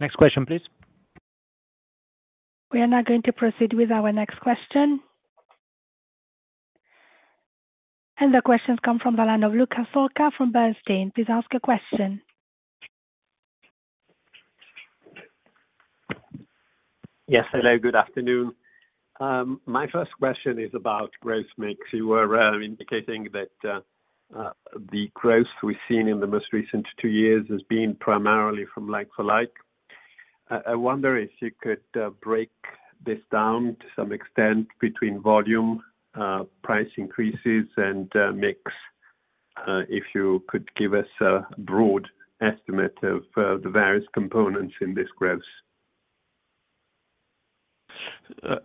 Speaker 5: Next question, please.
Speaker 1: We are now going to proceed with our next question. The question come from the line of Luca Solca from Bernstein. Please ask a question.
Speaker 10: Yes. Hello, good afternoon. My first question is about growth mix. You were indicating that the growth we've seen in the most recent two years has been primarily from Like-for-like. I wonder if you could break this down to some extent between volume, price increases, and mix, if you could give us a broad estimate of the various components in this growth.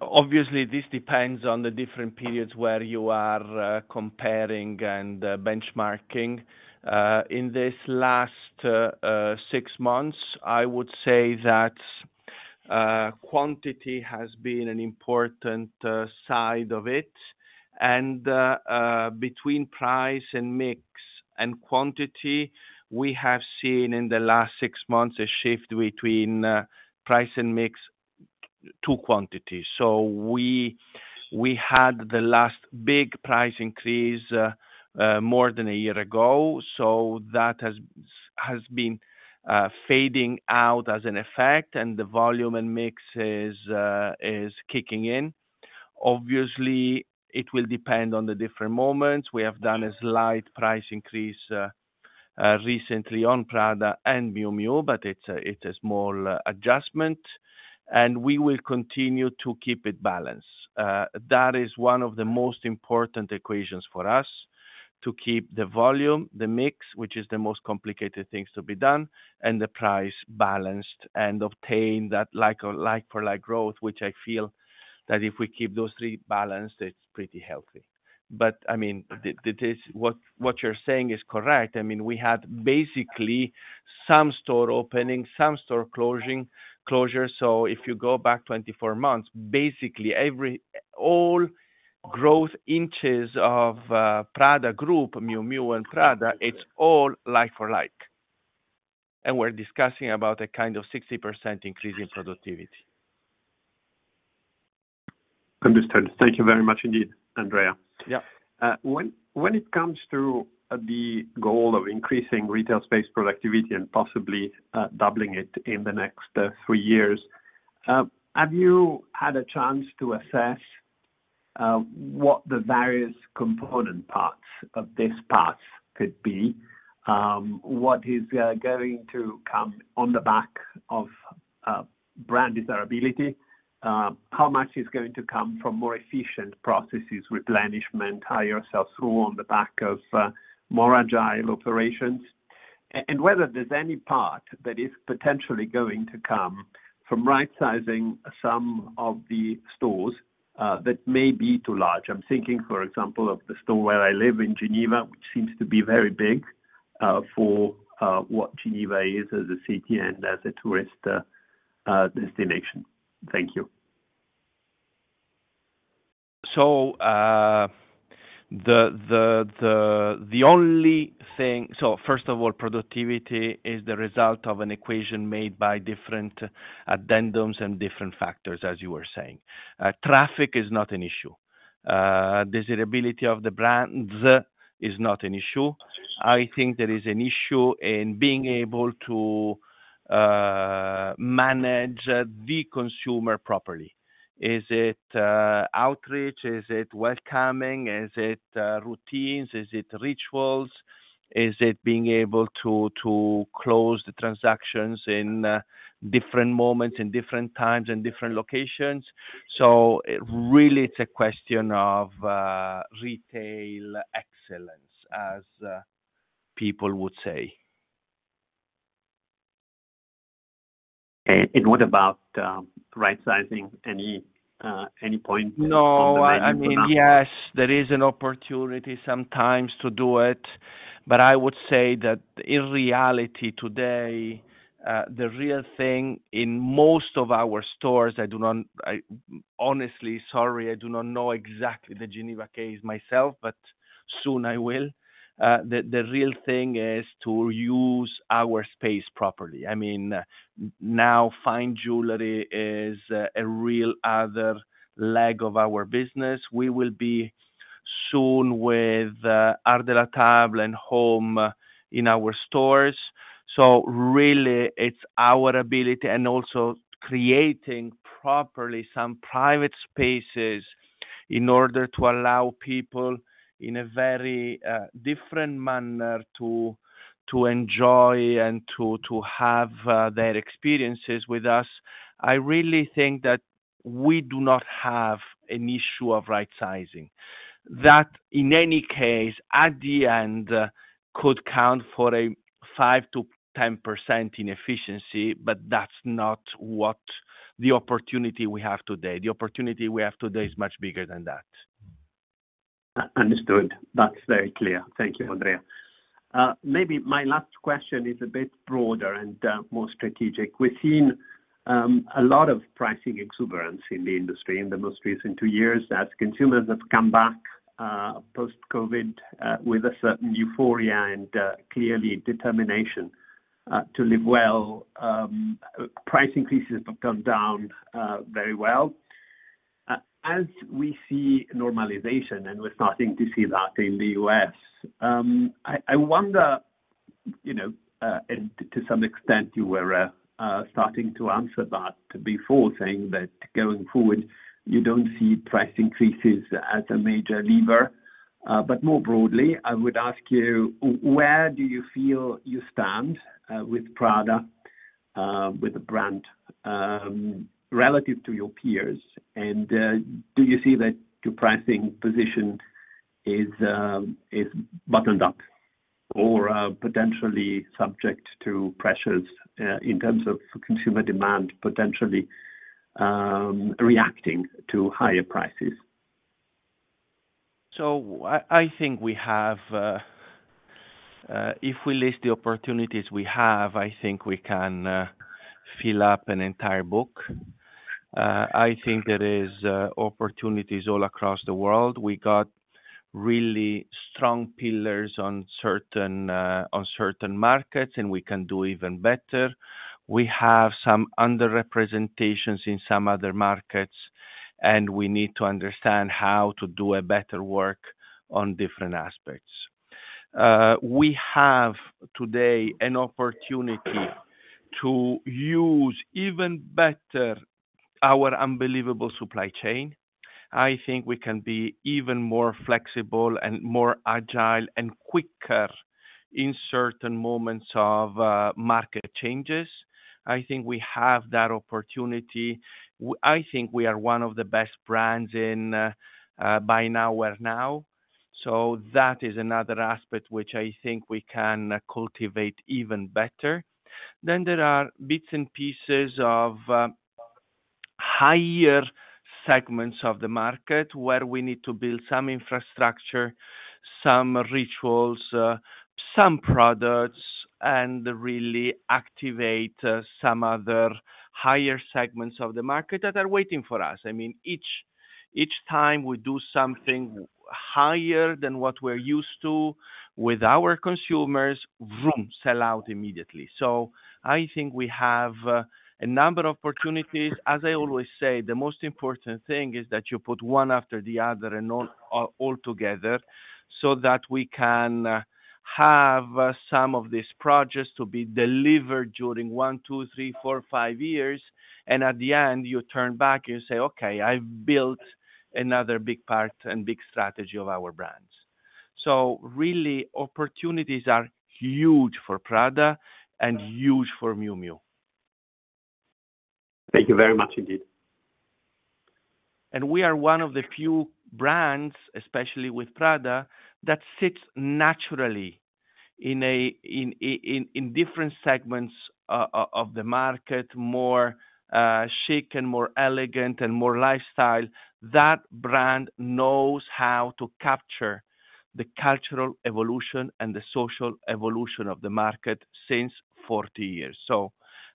Speaker 5: Obviously, this depends on the different periods where you are comparing and benchmarking. In this last six months, I would say that quantity has been an important side of it, and between price and mix and quantity, we have seen in the last six months a shift between price and mix to quantities. So, we had the last big price increase more than a year ago, so that has been fading out as an effect, and the volume and mix is kicking in. Obviously, it will depend on the different moments. We have done a slight price increase recently on Prada and Miu Miu, but it's a small adjustment, and we will continue to keep it balanced. That is one of the most important equations for us, to keep the volume, the mix, which is the most complicated things to be done, and the price balanced and obtain that like-for-like growth, which I feel that if we keep those three balanced, it's pretty healthy. But I mean, it is. What you're saying is correct. I mean, we had basically some store opening, some store closing, closure. So, If you go back 24 months, basically all growth inches of Prada Group, Miu Miu, and Prada, it's all like-for-like. We're discussing about a kind of 60% increase in productivity.
Speaker 10: Understood. Thank you very much indeed, Andrea.
Speaker 5: Yeah.
Speaker 10: When it comes to the goal of increasing retail space productivity and possibly doubling it in the next three years, have you had a chance to assess what the various component parts of this path could be? What is going to come on the back of brand desirability? How much is going to come from more efficient processes, replenishment, higher self-serve on the back of more agile operations? Whether there's any part that is potentially going to come from right sizing some of the stores that may be too large. I'm thinking, for example, of the store where I live in Geneva, which seems to be very big for what Geneva is as a city and as a tourist destination. Thank you.
Speaker 5: The only thing. First of all, productivity is the result of an equation made by different addendums and different factors, as you were saying. Traffic is not an issue. Desirability of the brands is not an issue. I think there is an issue in being able to manage the consumer properly. Is it outreach? Is it welcoming? Is it routines? Is it rituals? Is it being able to close the transactions in different moments, in different times, in different locations? So, really, it's a question of retail excellence, as people would say.
Speaker 10: And what about right sizing? Any any point on.
Speaker 5: No. I mean, yes, there is an opportunity sometimes to do it, I would say that in reality today, the real thing in most of our stores, I honestly, sorry, I do not know exactly the Geneva case myself, but soon I will. The real thing is to use our space properly. I mean, now, fine jewelry is a real other leg of our business. We will be soon with Art de la Table and home in our stores. Really, it's our ability and also creating properly some private spaces in order to allow people in a very different manner to, to enjoy and to, to have their experiences with us. I really think that we do not have an issue of right sizing. That, in any case, at the end, could count for a 5%-10% in efficiency, but that's not what the opportunity we have today. The opportunity we have today is much bigger than that.
Speaker 10: Understood. That's very clear. Thank you, Andrea. Maybe my last question is a bit broader and more strategic. We've seen a lot of pricing exuberance in the industry in the most recent two years, as consumers have come back post-COVID with a certain euphoria and clearly determination to live well. Price increases have gone down very well. As we see normalization, and we're starting to see that in the U.S., I, I wonder, you know, and to some extent, you were starting to answer that before, saying that going forward, you don't see price increases as a major lever. But more broadly, I would ask you, where do you feel you stand with Prada, with the brand, relative to your peers? And do you see that your pricing position is buttoned up, or, potentially subject to pressures, in terms of consumer demand, potentially, reacting to higher prices?
Speaker 5: I think we have, if we list the opportunities we have, I think we can fill up an entire book. I think there is opportunities all across the world. We got really strong pillars on certain markets, and we can do even better. We have some under representations in some other markets, and we need to understand how to do a better work on different aspects. We have today an opportunity to use even better our unbelievable supply chain. I think we can be even more flexible and more agile and quicker in certain moments of market changes. I think we have that opportunity. I think we are one of the best brands in buy now, wear now. So that is another aspect which I think we can cultivate even better. Then there are bits and pieces of higher segments of the market where we need to build some infrastructure, some rituals, some products, and really activate some other higher segments of the market that are waiting for us. I mean, each time we do something higher than what we're used to with our consumers, vroom! Sell out immediately. I think we have a number of opportunities. As I always say, the most important thing is that you put one after the other and all together, so that we can have some of these projects to be delivered during one, two, three, four, five years, and at the end, you turn back and you say, "Okay, I've built another big part and big strategy of our brands." So really, opportunities are huge for Prada and huge for Miu Miu.
Speaker 10: Thank you very much, indeed.
Speaker 5: And we are one of the few brands, especially with Prada, that sits naturally in a different segments of the market, more chic and more elegant and more lifestyle. That brand knows how to capture the cultural evolution and the social evolution of the market since 40 years.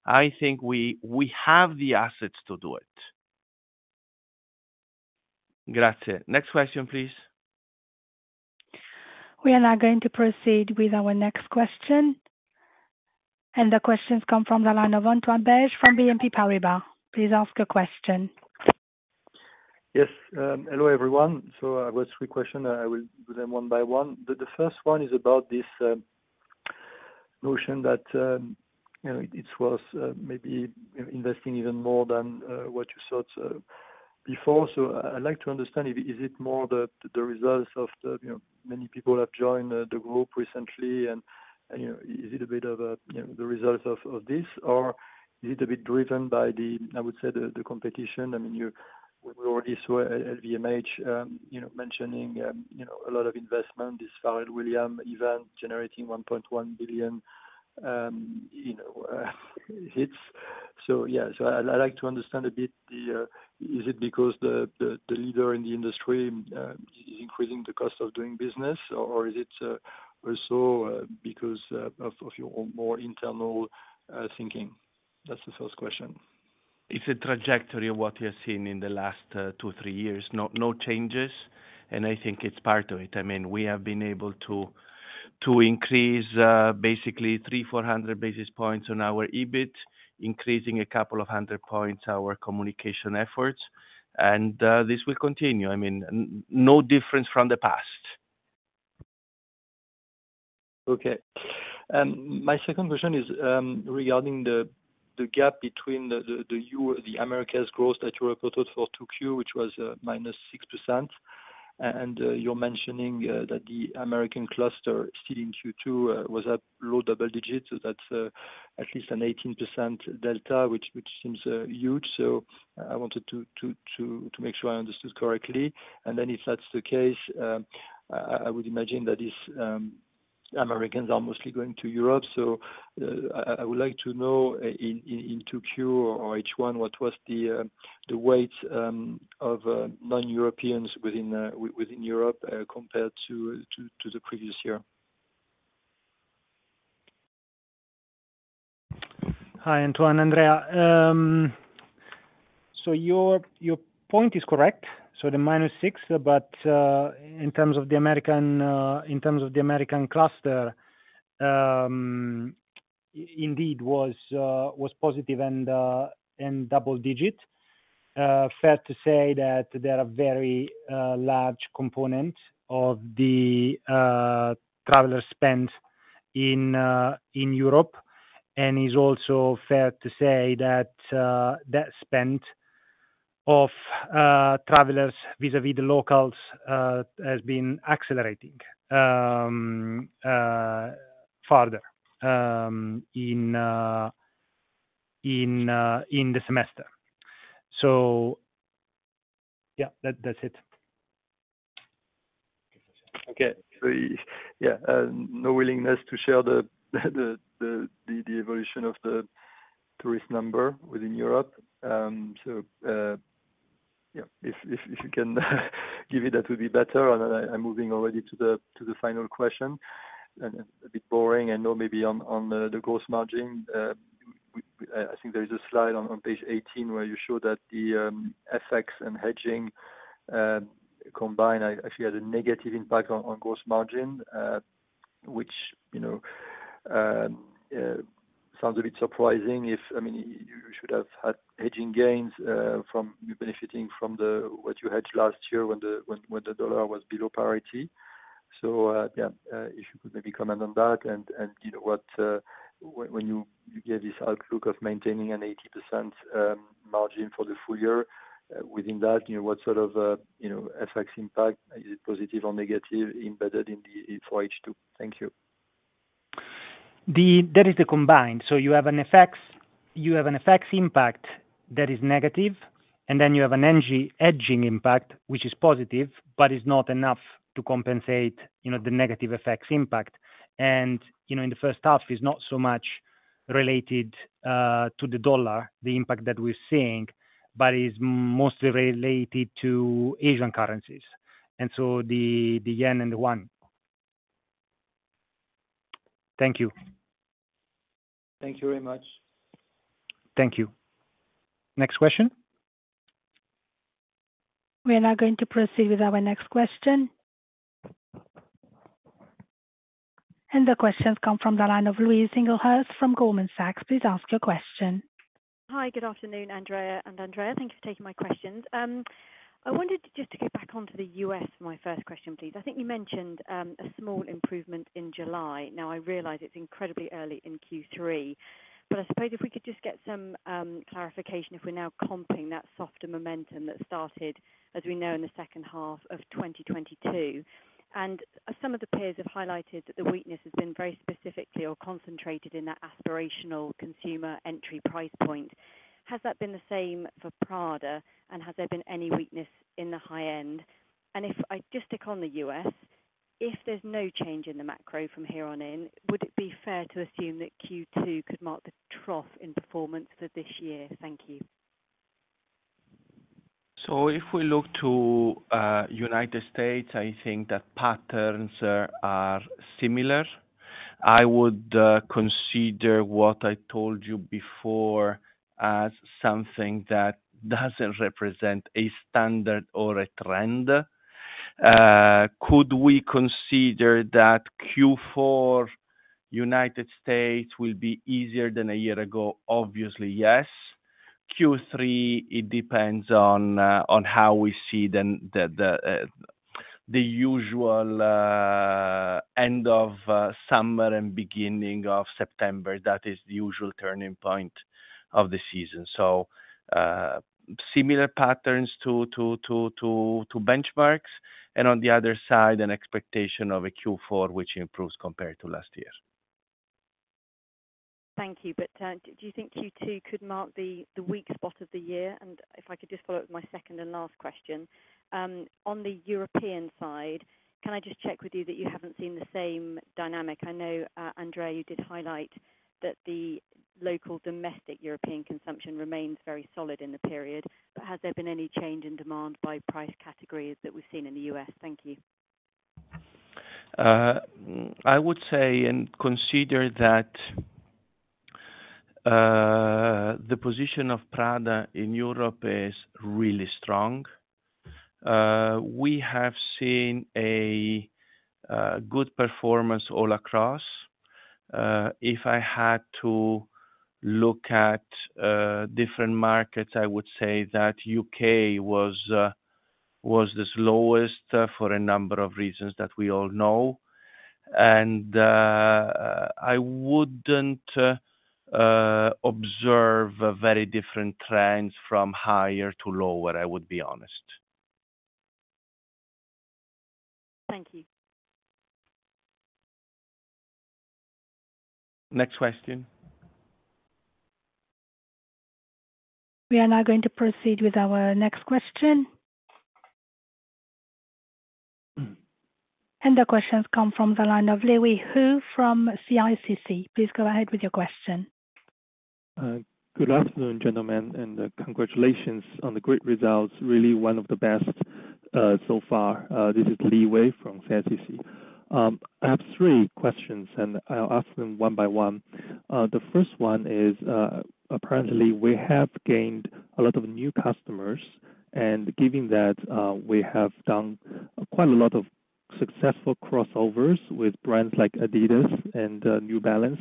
Speaker 5: I think we, we have the assets to do it. Grazie. Next question, please.
Speaker 1: We are now going to proceed with our next question, and the question comes from the line of Antoine Belge from BNP Paribas. Please ask your question.
Speaker 11: Yes, hello, everyone. I've got three question. I will do them one by one. The first one is about this notion that, you know, it was maybe investing even more than what you thought before. So I'd like to understand, is it more the results of the, you know, many people have joined the group recently, and, you know, is it a bit of a, you know, the results of this? Or is it a bit driven by the, I would say, the competition? I mean, we already saw LVMH, you know, mentioning, you know, a lot of investment, this Pharrell Williams event generating 1.1 billion, you know, hits. So yeah, I'd like to understand a bit the, is it because the leader in the industry, is increasing the cost of doing business, or is it, also, because, of your own more internal, thinking? That's the first question.
Speaker 5: It's a trajectory of what we have seen in the last, two, three years. No changes. And I think it's part of it. I mean, we have been able to increase, basically 300-400 basis points on our EBIT, increasing a couple of 100 points our communication efforts. And this will continue. I mean, no difference from the past.
Speaker 11: Okay. My second question is regarding the gap between the Americas growth that you reported for 2Q, which was -6%. And you're mentioning that the American cluster still in Q2 was up low double digits, so that's at least an 18% delta, which seems huge. I wanted to make sure I understood correctly. If that's the case, I would imagine that Americans are mostly going to Europe. So, I would like to know in Q2 or H1, what was the weight of non-Europeans within Europe compared to the previous year?
Speaker 2: Hi, Antoine. Andrea. Your point is correct, so the -6. But in terms of the American cluster, indeed was positive and double-digit. Fair to say that they are a very large component of the traveler spend in Europe, and it's also fair to say that spend of travelers vis-à-vis the locals has been accelerating farther in the semester. Yeah, that's it.
Speaker 11: Yeah. Okay. No willingness to share the evolution of the tourist number within Europe. Yeah, if you can give it, that would be better. I'm moving already to the final question. A bit boring, I know, maybe on the gross margin. I think there is a slide on page 18, where you show that the effects and hedging combined actually has a negative impact on gross margin. Which, you know, sounds a bit surprising if... I mean, you should have had hedging gains from you benefiting from the, what you hedged last year when the dollar was below priority. So, if you could maybe comment on that, and you know what, when you gave this outlook of maintaining an 80% margin for the full year, within that, you know, what sort of, you know, effects impact, is it positive or negative, embedded in the for H2? Thank you.
Speaker 2: That is the combined. So you have an FX, you have an FX impact that is negative, and then you have a hedging impact, which is positive, but is not enough to compensate, you know, the negative FX impact. You know, in the first half, it's not so much related to the dollar, the impact that we're seeing, but is mostly related to Asian currencies, and so the Yen and the Won. Thank you.
Speaker 5: Thank you very much. Thank you. Next question?
Speaker 1: We are now going to proceed with our next question. The question comes from the line of Louise Singlehurst from Goldman Sachs. Please ask your question.
Speaker 12: Hi, good afternoon, Andrea and Andrea. Thank you for taking my questions. I wanted just to get back onto the U.S. for my first question, please. I think you mentioned a small improvement in July. Now, I realize it's incredibly early in Q3, but I suppose if we could just get some clarification, if we're now comping that softer momentum that started, as we know, in the second half of 2022? As some of the peers have highlighted, that the weakness has been very specifically or concentrated in that aspirational consumer entry price point, has that been the same for Prada, and has there been any weakness in the high end? And if I just stick on the U.S., if there's no change in the macro from here on in, would it be fair to assume that Q2 could mark the trough in performance for this year? Thank you.
Speaker 5: So if we look to United States, I think the patterns are similar. I would consider what I told you before as something that doesn't represent a standard or a trend. Could we consider that Q4 United States will be easier than a year ago? Obviously, yes. Q3, it depends on how we see the, the, the usual end of summer and beginning of September. That is the usual turning point of the season. So, similar patterns to, to, to, to benchmarks, and on the other side, an expectation of a Q4, which improves compared to last year.
Speaker 12: Thank you. Do you think Q2 could mark the weak spot of the year? If I could just follow up with my second and last question. And on the European side, can I just check with you that you haven't seen the same dynamic? I know, Andrea, you did highlight that the local domestic European consumption remains very solid in the period. Has there been any change in demand by price categories that we've seen in the U.S.? Thank you.
Speaker 5: I would say and consider that the position of Prada in Europe is really strong. We have seen a good performance all across. If I had to look at different markets, I would say that U.K. was the slowest for a number of reasons that we all know. I wouldn't observe very different trends from higher to lower, I would be honest.
Speaker 12: Thank you.
Speaker 5: Next question.
Speaker 1: We are now going to proceed with our next question. The question's come from the line of Liwei Hou from CICC. Please go ahead with your question.
Speaker 13: Good afternoon, gentlemen. Congratulations on the great results. Really one of the best so far. This is Levi from CICC. I have three questions. I'll ask them one by one. The first one is, apparently, we have gained a lot of new customers. Given that we have done quite a lot of successful crossovers with brands like Adidas and New Balance,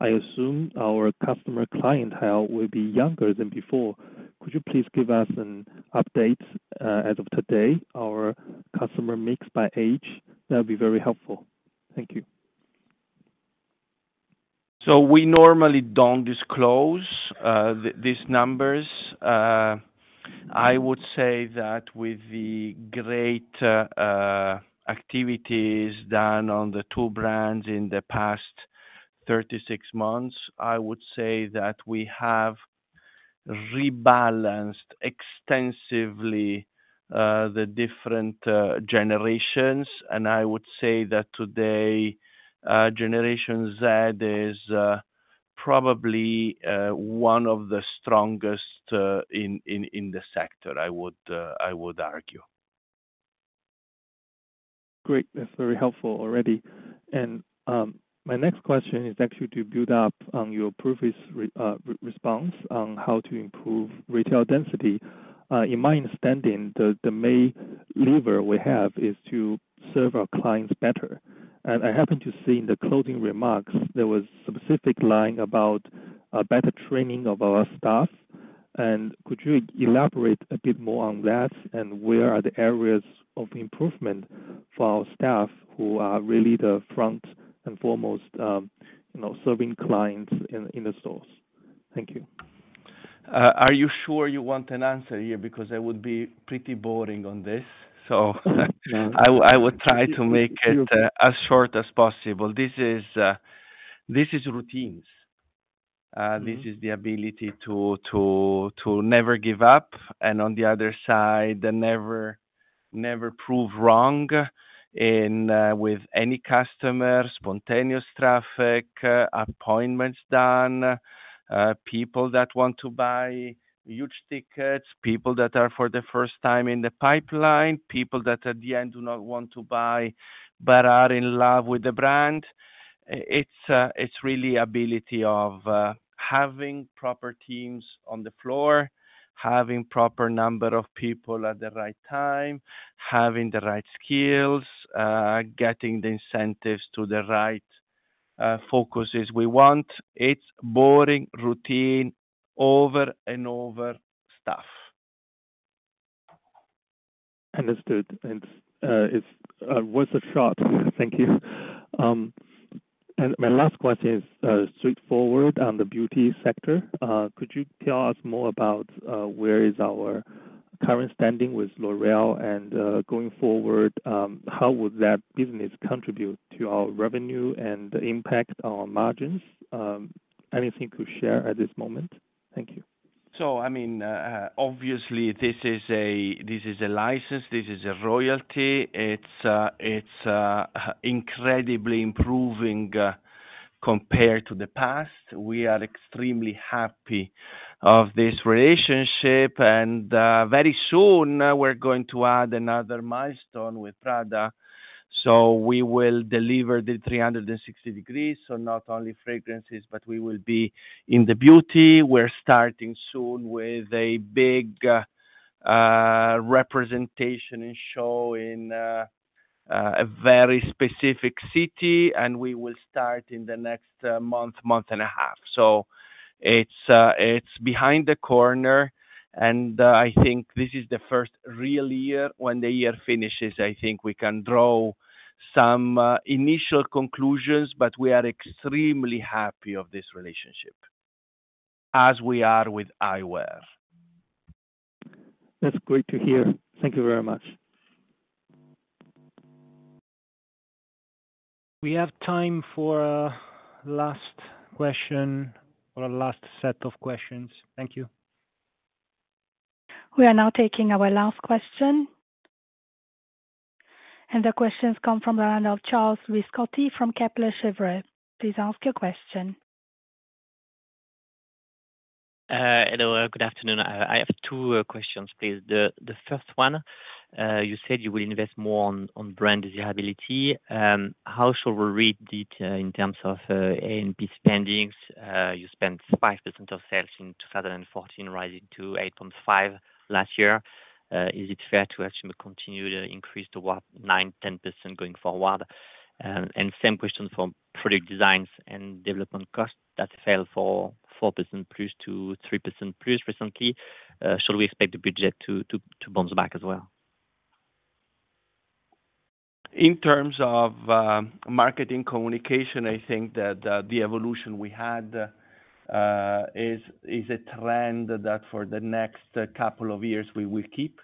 Speaker 13: I assume our customer clientele will be younger than before. Could you please give us an update as of today, our customer mix by age? That'd be very helpful. Thank you.
Speaker 5: So we normally don't disclose these numbers. I would say that with the great activities done on the two brands in the past 36 months, I would say that we have rebalanced extensively the different generations. I would say that today Gen Z is probably one of the strongest in the sector, I would argue.
Speaker 13: Great. That's very helpful already. And my next question is actually to build up on your previous response on how to improve retail density. In my understanding, the main lever we have is to serve our clients better. I happen to see in the closing remarks, there was specific line about a better training of our staff. Could you elaborate a bit more on that? Where are the areas of improvement for our staff, who are really the front and foremost, you know, serving clients in the stores? Thank you.
Speaker 5: Are you sure you want an answer here? Because I would be pretty boring on this. So I will try to make it as short as possible. This is, this is routines.
Speaker 13: Mm-hmm.
Speaker 5: This is the ability to, to, to never give up, on the other side, never prove wrong in with any customer, spontaneous traffic, appointments done, people that want to buy huge tickets, people that are for the first time in the pipeline, people that at the end do not want to buy but are in love with the brand. It's really ability of having proper teams on the floor, having proper number of people at the right time, having the right skills, getting the incentives to the right focuses. We want it's boring routine over and over stuff.
Speaker 13: Understood. It's worth a shot. Thank you. My last question is straightforward on the beauty sector. Could you tell us more about where is our current standing with L'Oréal? Going forward, how would that business contribute to our revenue and impact our margins? Anything to share at this moment? Thank you.
Speaker 5: So I mean, obviously, this is a license. This is a royalty. It's incredibly improving compared to the past. We are extremely happy of this relationship, and very soon, we're going to add another milestone with Prada. So we will deliver the 360 degrees. Not only fragrances, but we will be in the beauty. We're starting soon with a big representation and show in a very specific city, and we will start in the next month, month and a half. It's behind the corner, and I think this is the first real year. When the year finishes, I think we can draw some initial conclusions, but we are extremely happy of this relationship, as we are with eyewear.
Speaker 13: That's great to hear. Thank you very much.
Speaker 5: We have time for a last question or a last set of questions. Thank you.
Speaker 1: We are now taking our last question. The question's come from the line of Charles-Louis Scotti from Kepler Cheuvreux. Please ask your question.
Speaker 14: Hello, good afternoon. I have two questions, please. The first one, you said you will invest more on brand desirability. How shall we read it in terms of A&P spendings? You spent 5% of sales in 2014, rising to 8.5% last year. Is it fair to assume a continued increase to, what, 9%-10% going forward? Same question for product designs and development costs that fell for 4%+ to 3%+ recently. Should we expect the budget to bounce back as well?
Speaker 5: In terms of marketing communication, I think that the evolution we had is a trend that for the next two years we will keep.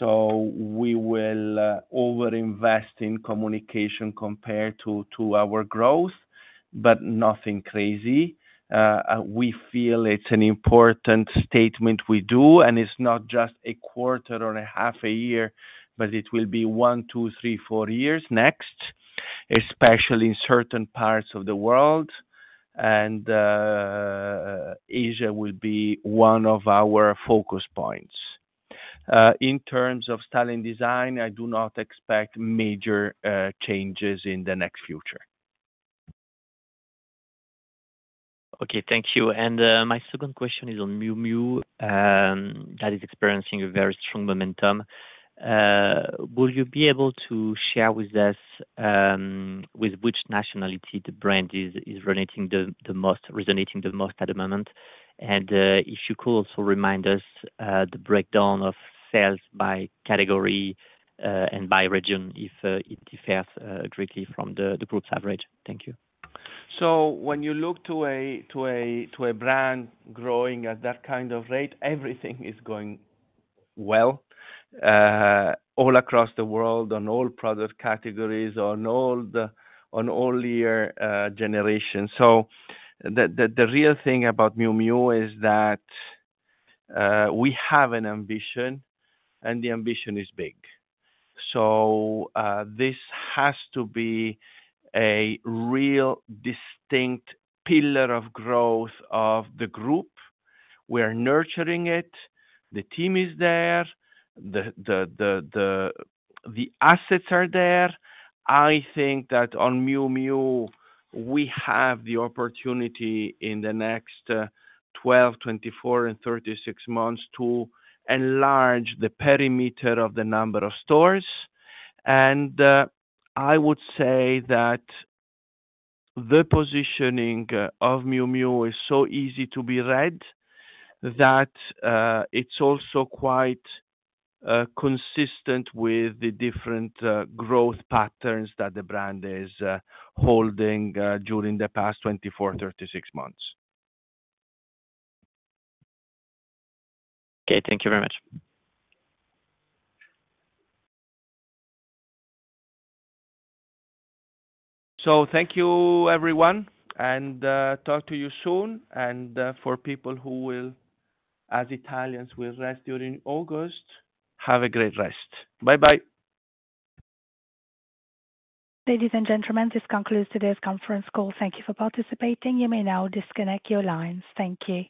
Speaker 5: We will over-invest in communication compared to our growth. Nothing crazy. We feel it's an important statement we do. It's not just a quarter or a half a year, but it will be one, two, three, four years next, especially in certain parts of the world. Asia will be one of our focus points. In terms of style and design, I do not expect major changes in the next future.
Speaker 14: Okay, thank you. And my second question is on Miu Miu, that is experiencing a very strong momentum. Will you be able to share with us, with which nationality the brand is resonating the most at the moment? And if you could also remind us, the breakdown of sales by category, and by region, if it differs greatly from the group's average. Thank you.
Speaker 5: So when you look to a brand growing at that kind of rate, everything is going well, all across the world, on all product categories, on all the, on all year generations. So, the real thing about Miu Miu is that we have an ambition, and the ambition is big. So this has to be a real distinct pillar of growth of the group. We're nurturing it. The team is there. The, the, the, the assets are there. I think that on Miu Miu, we have the opportunity in the next 12, 24, and 36 months to enlarge the perimeter of the number of stores. And I would say that the positioning of Miu Miu is so easy to be read, that it's also quite consistent with the different growth patterns that the brand is holding during the past 24, 36 months.
Speaker 14: Okay, thank you very much.
Speaker 5: So thank you, everyone, and talk to you soon. For people who will, as Italians, will rest during August, have a great rest. Bye-bye.
Speaker 1: Ladies and gentlemen, this concludes today's conference call. Thank you for participating. You may now disconnect your lines. Thank you.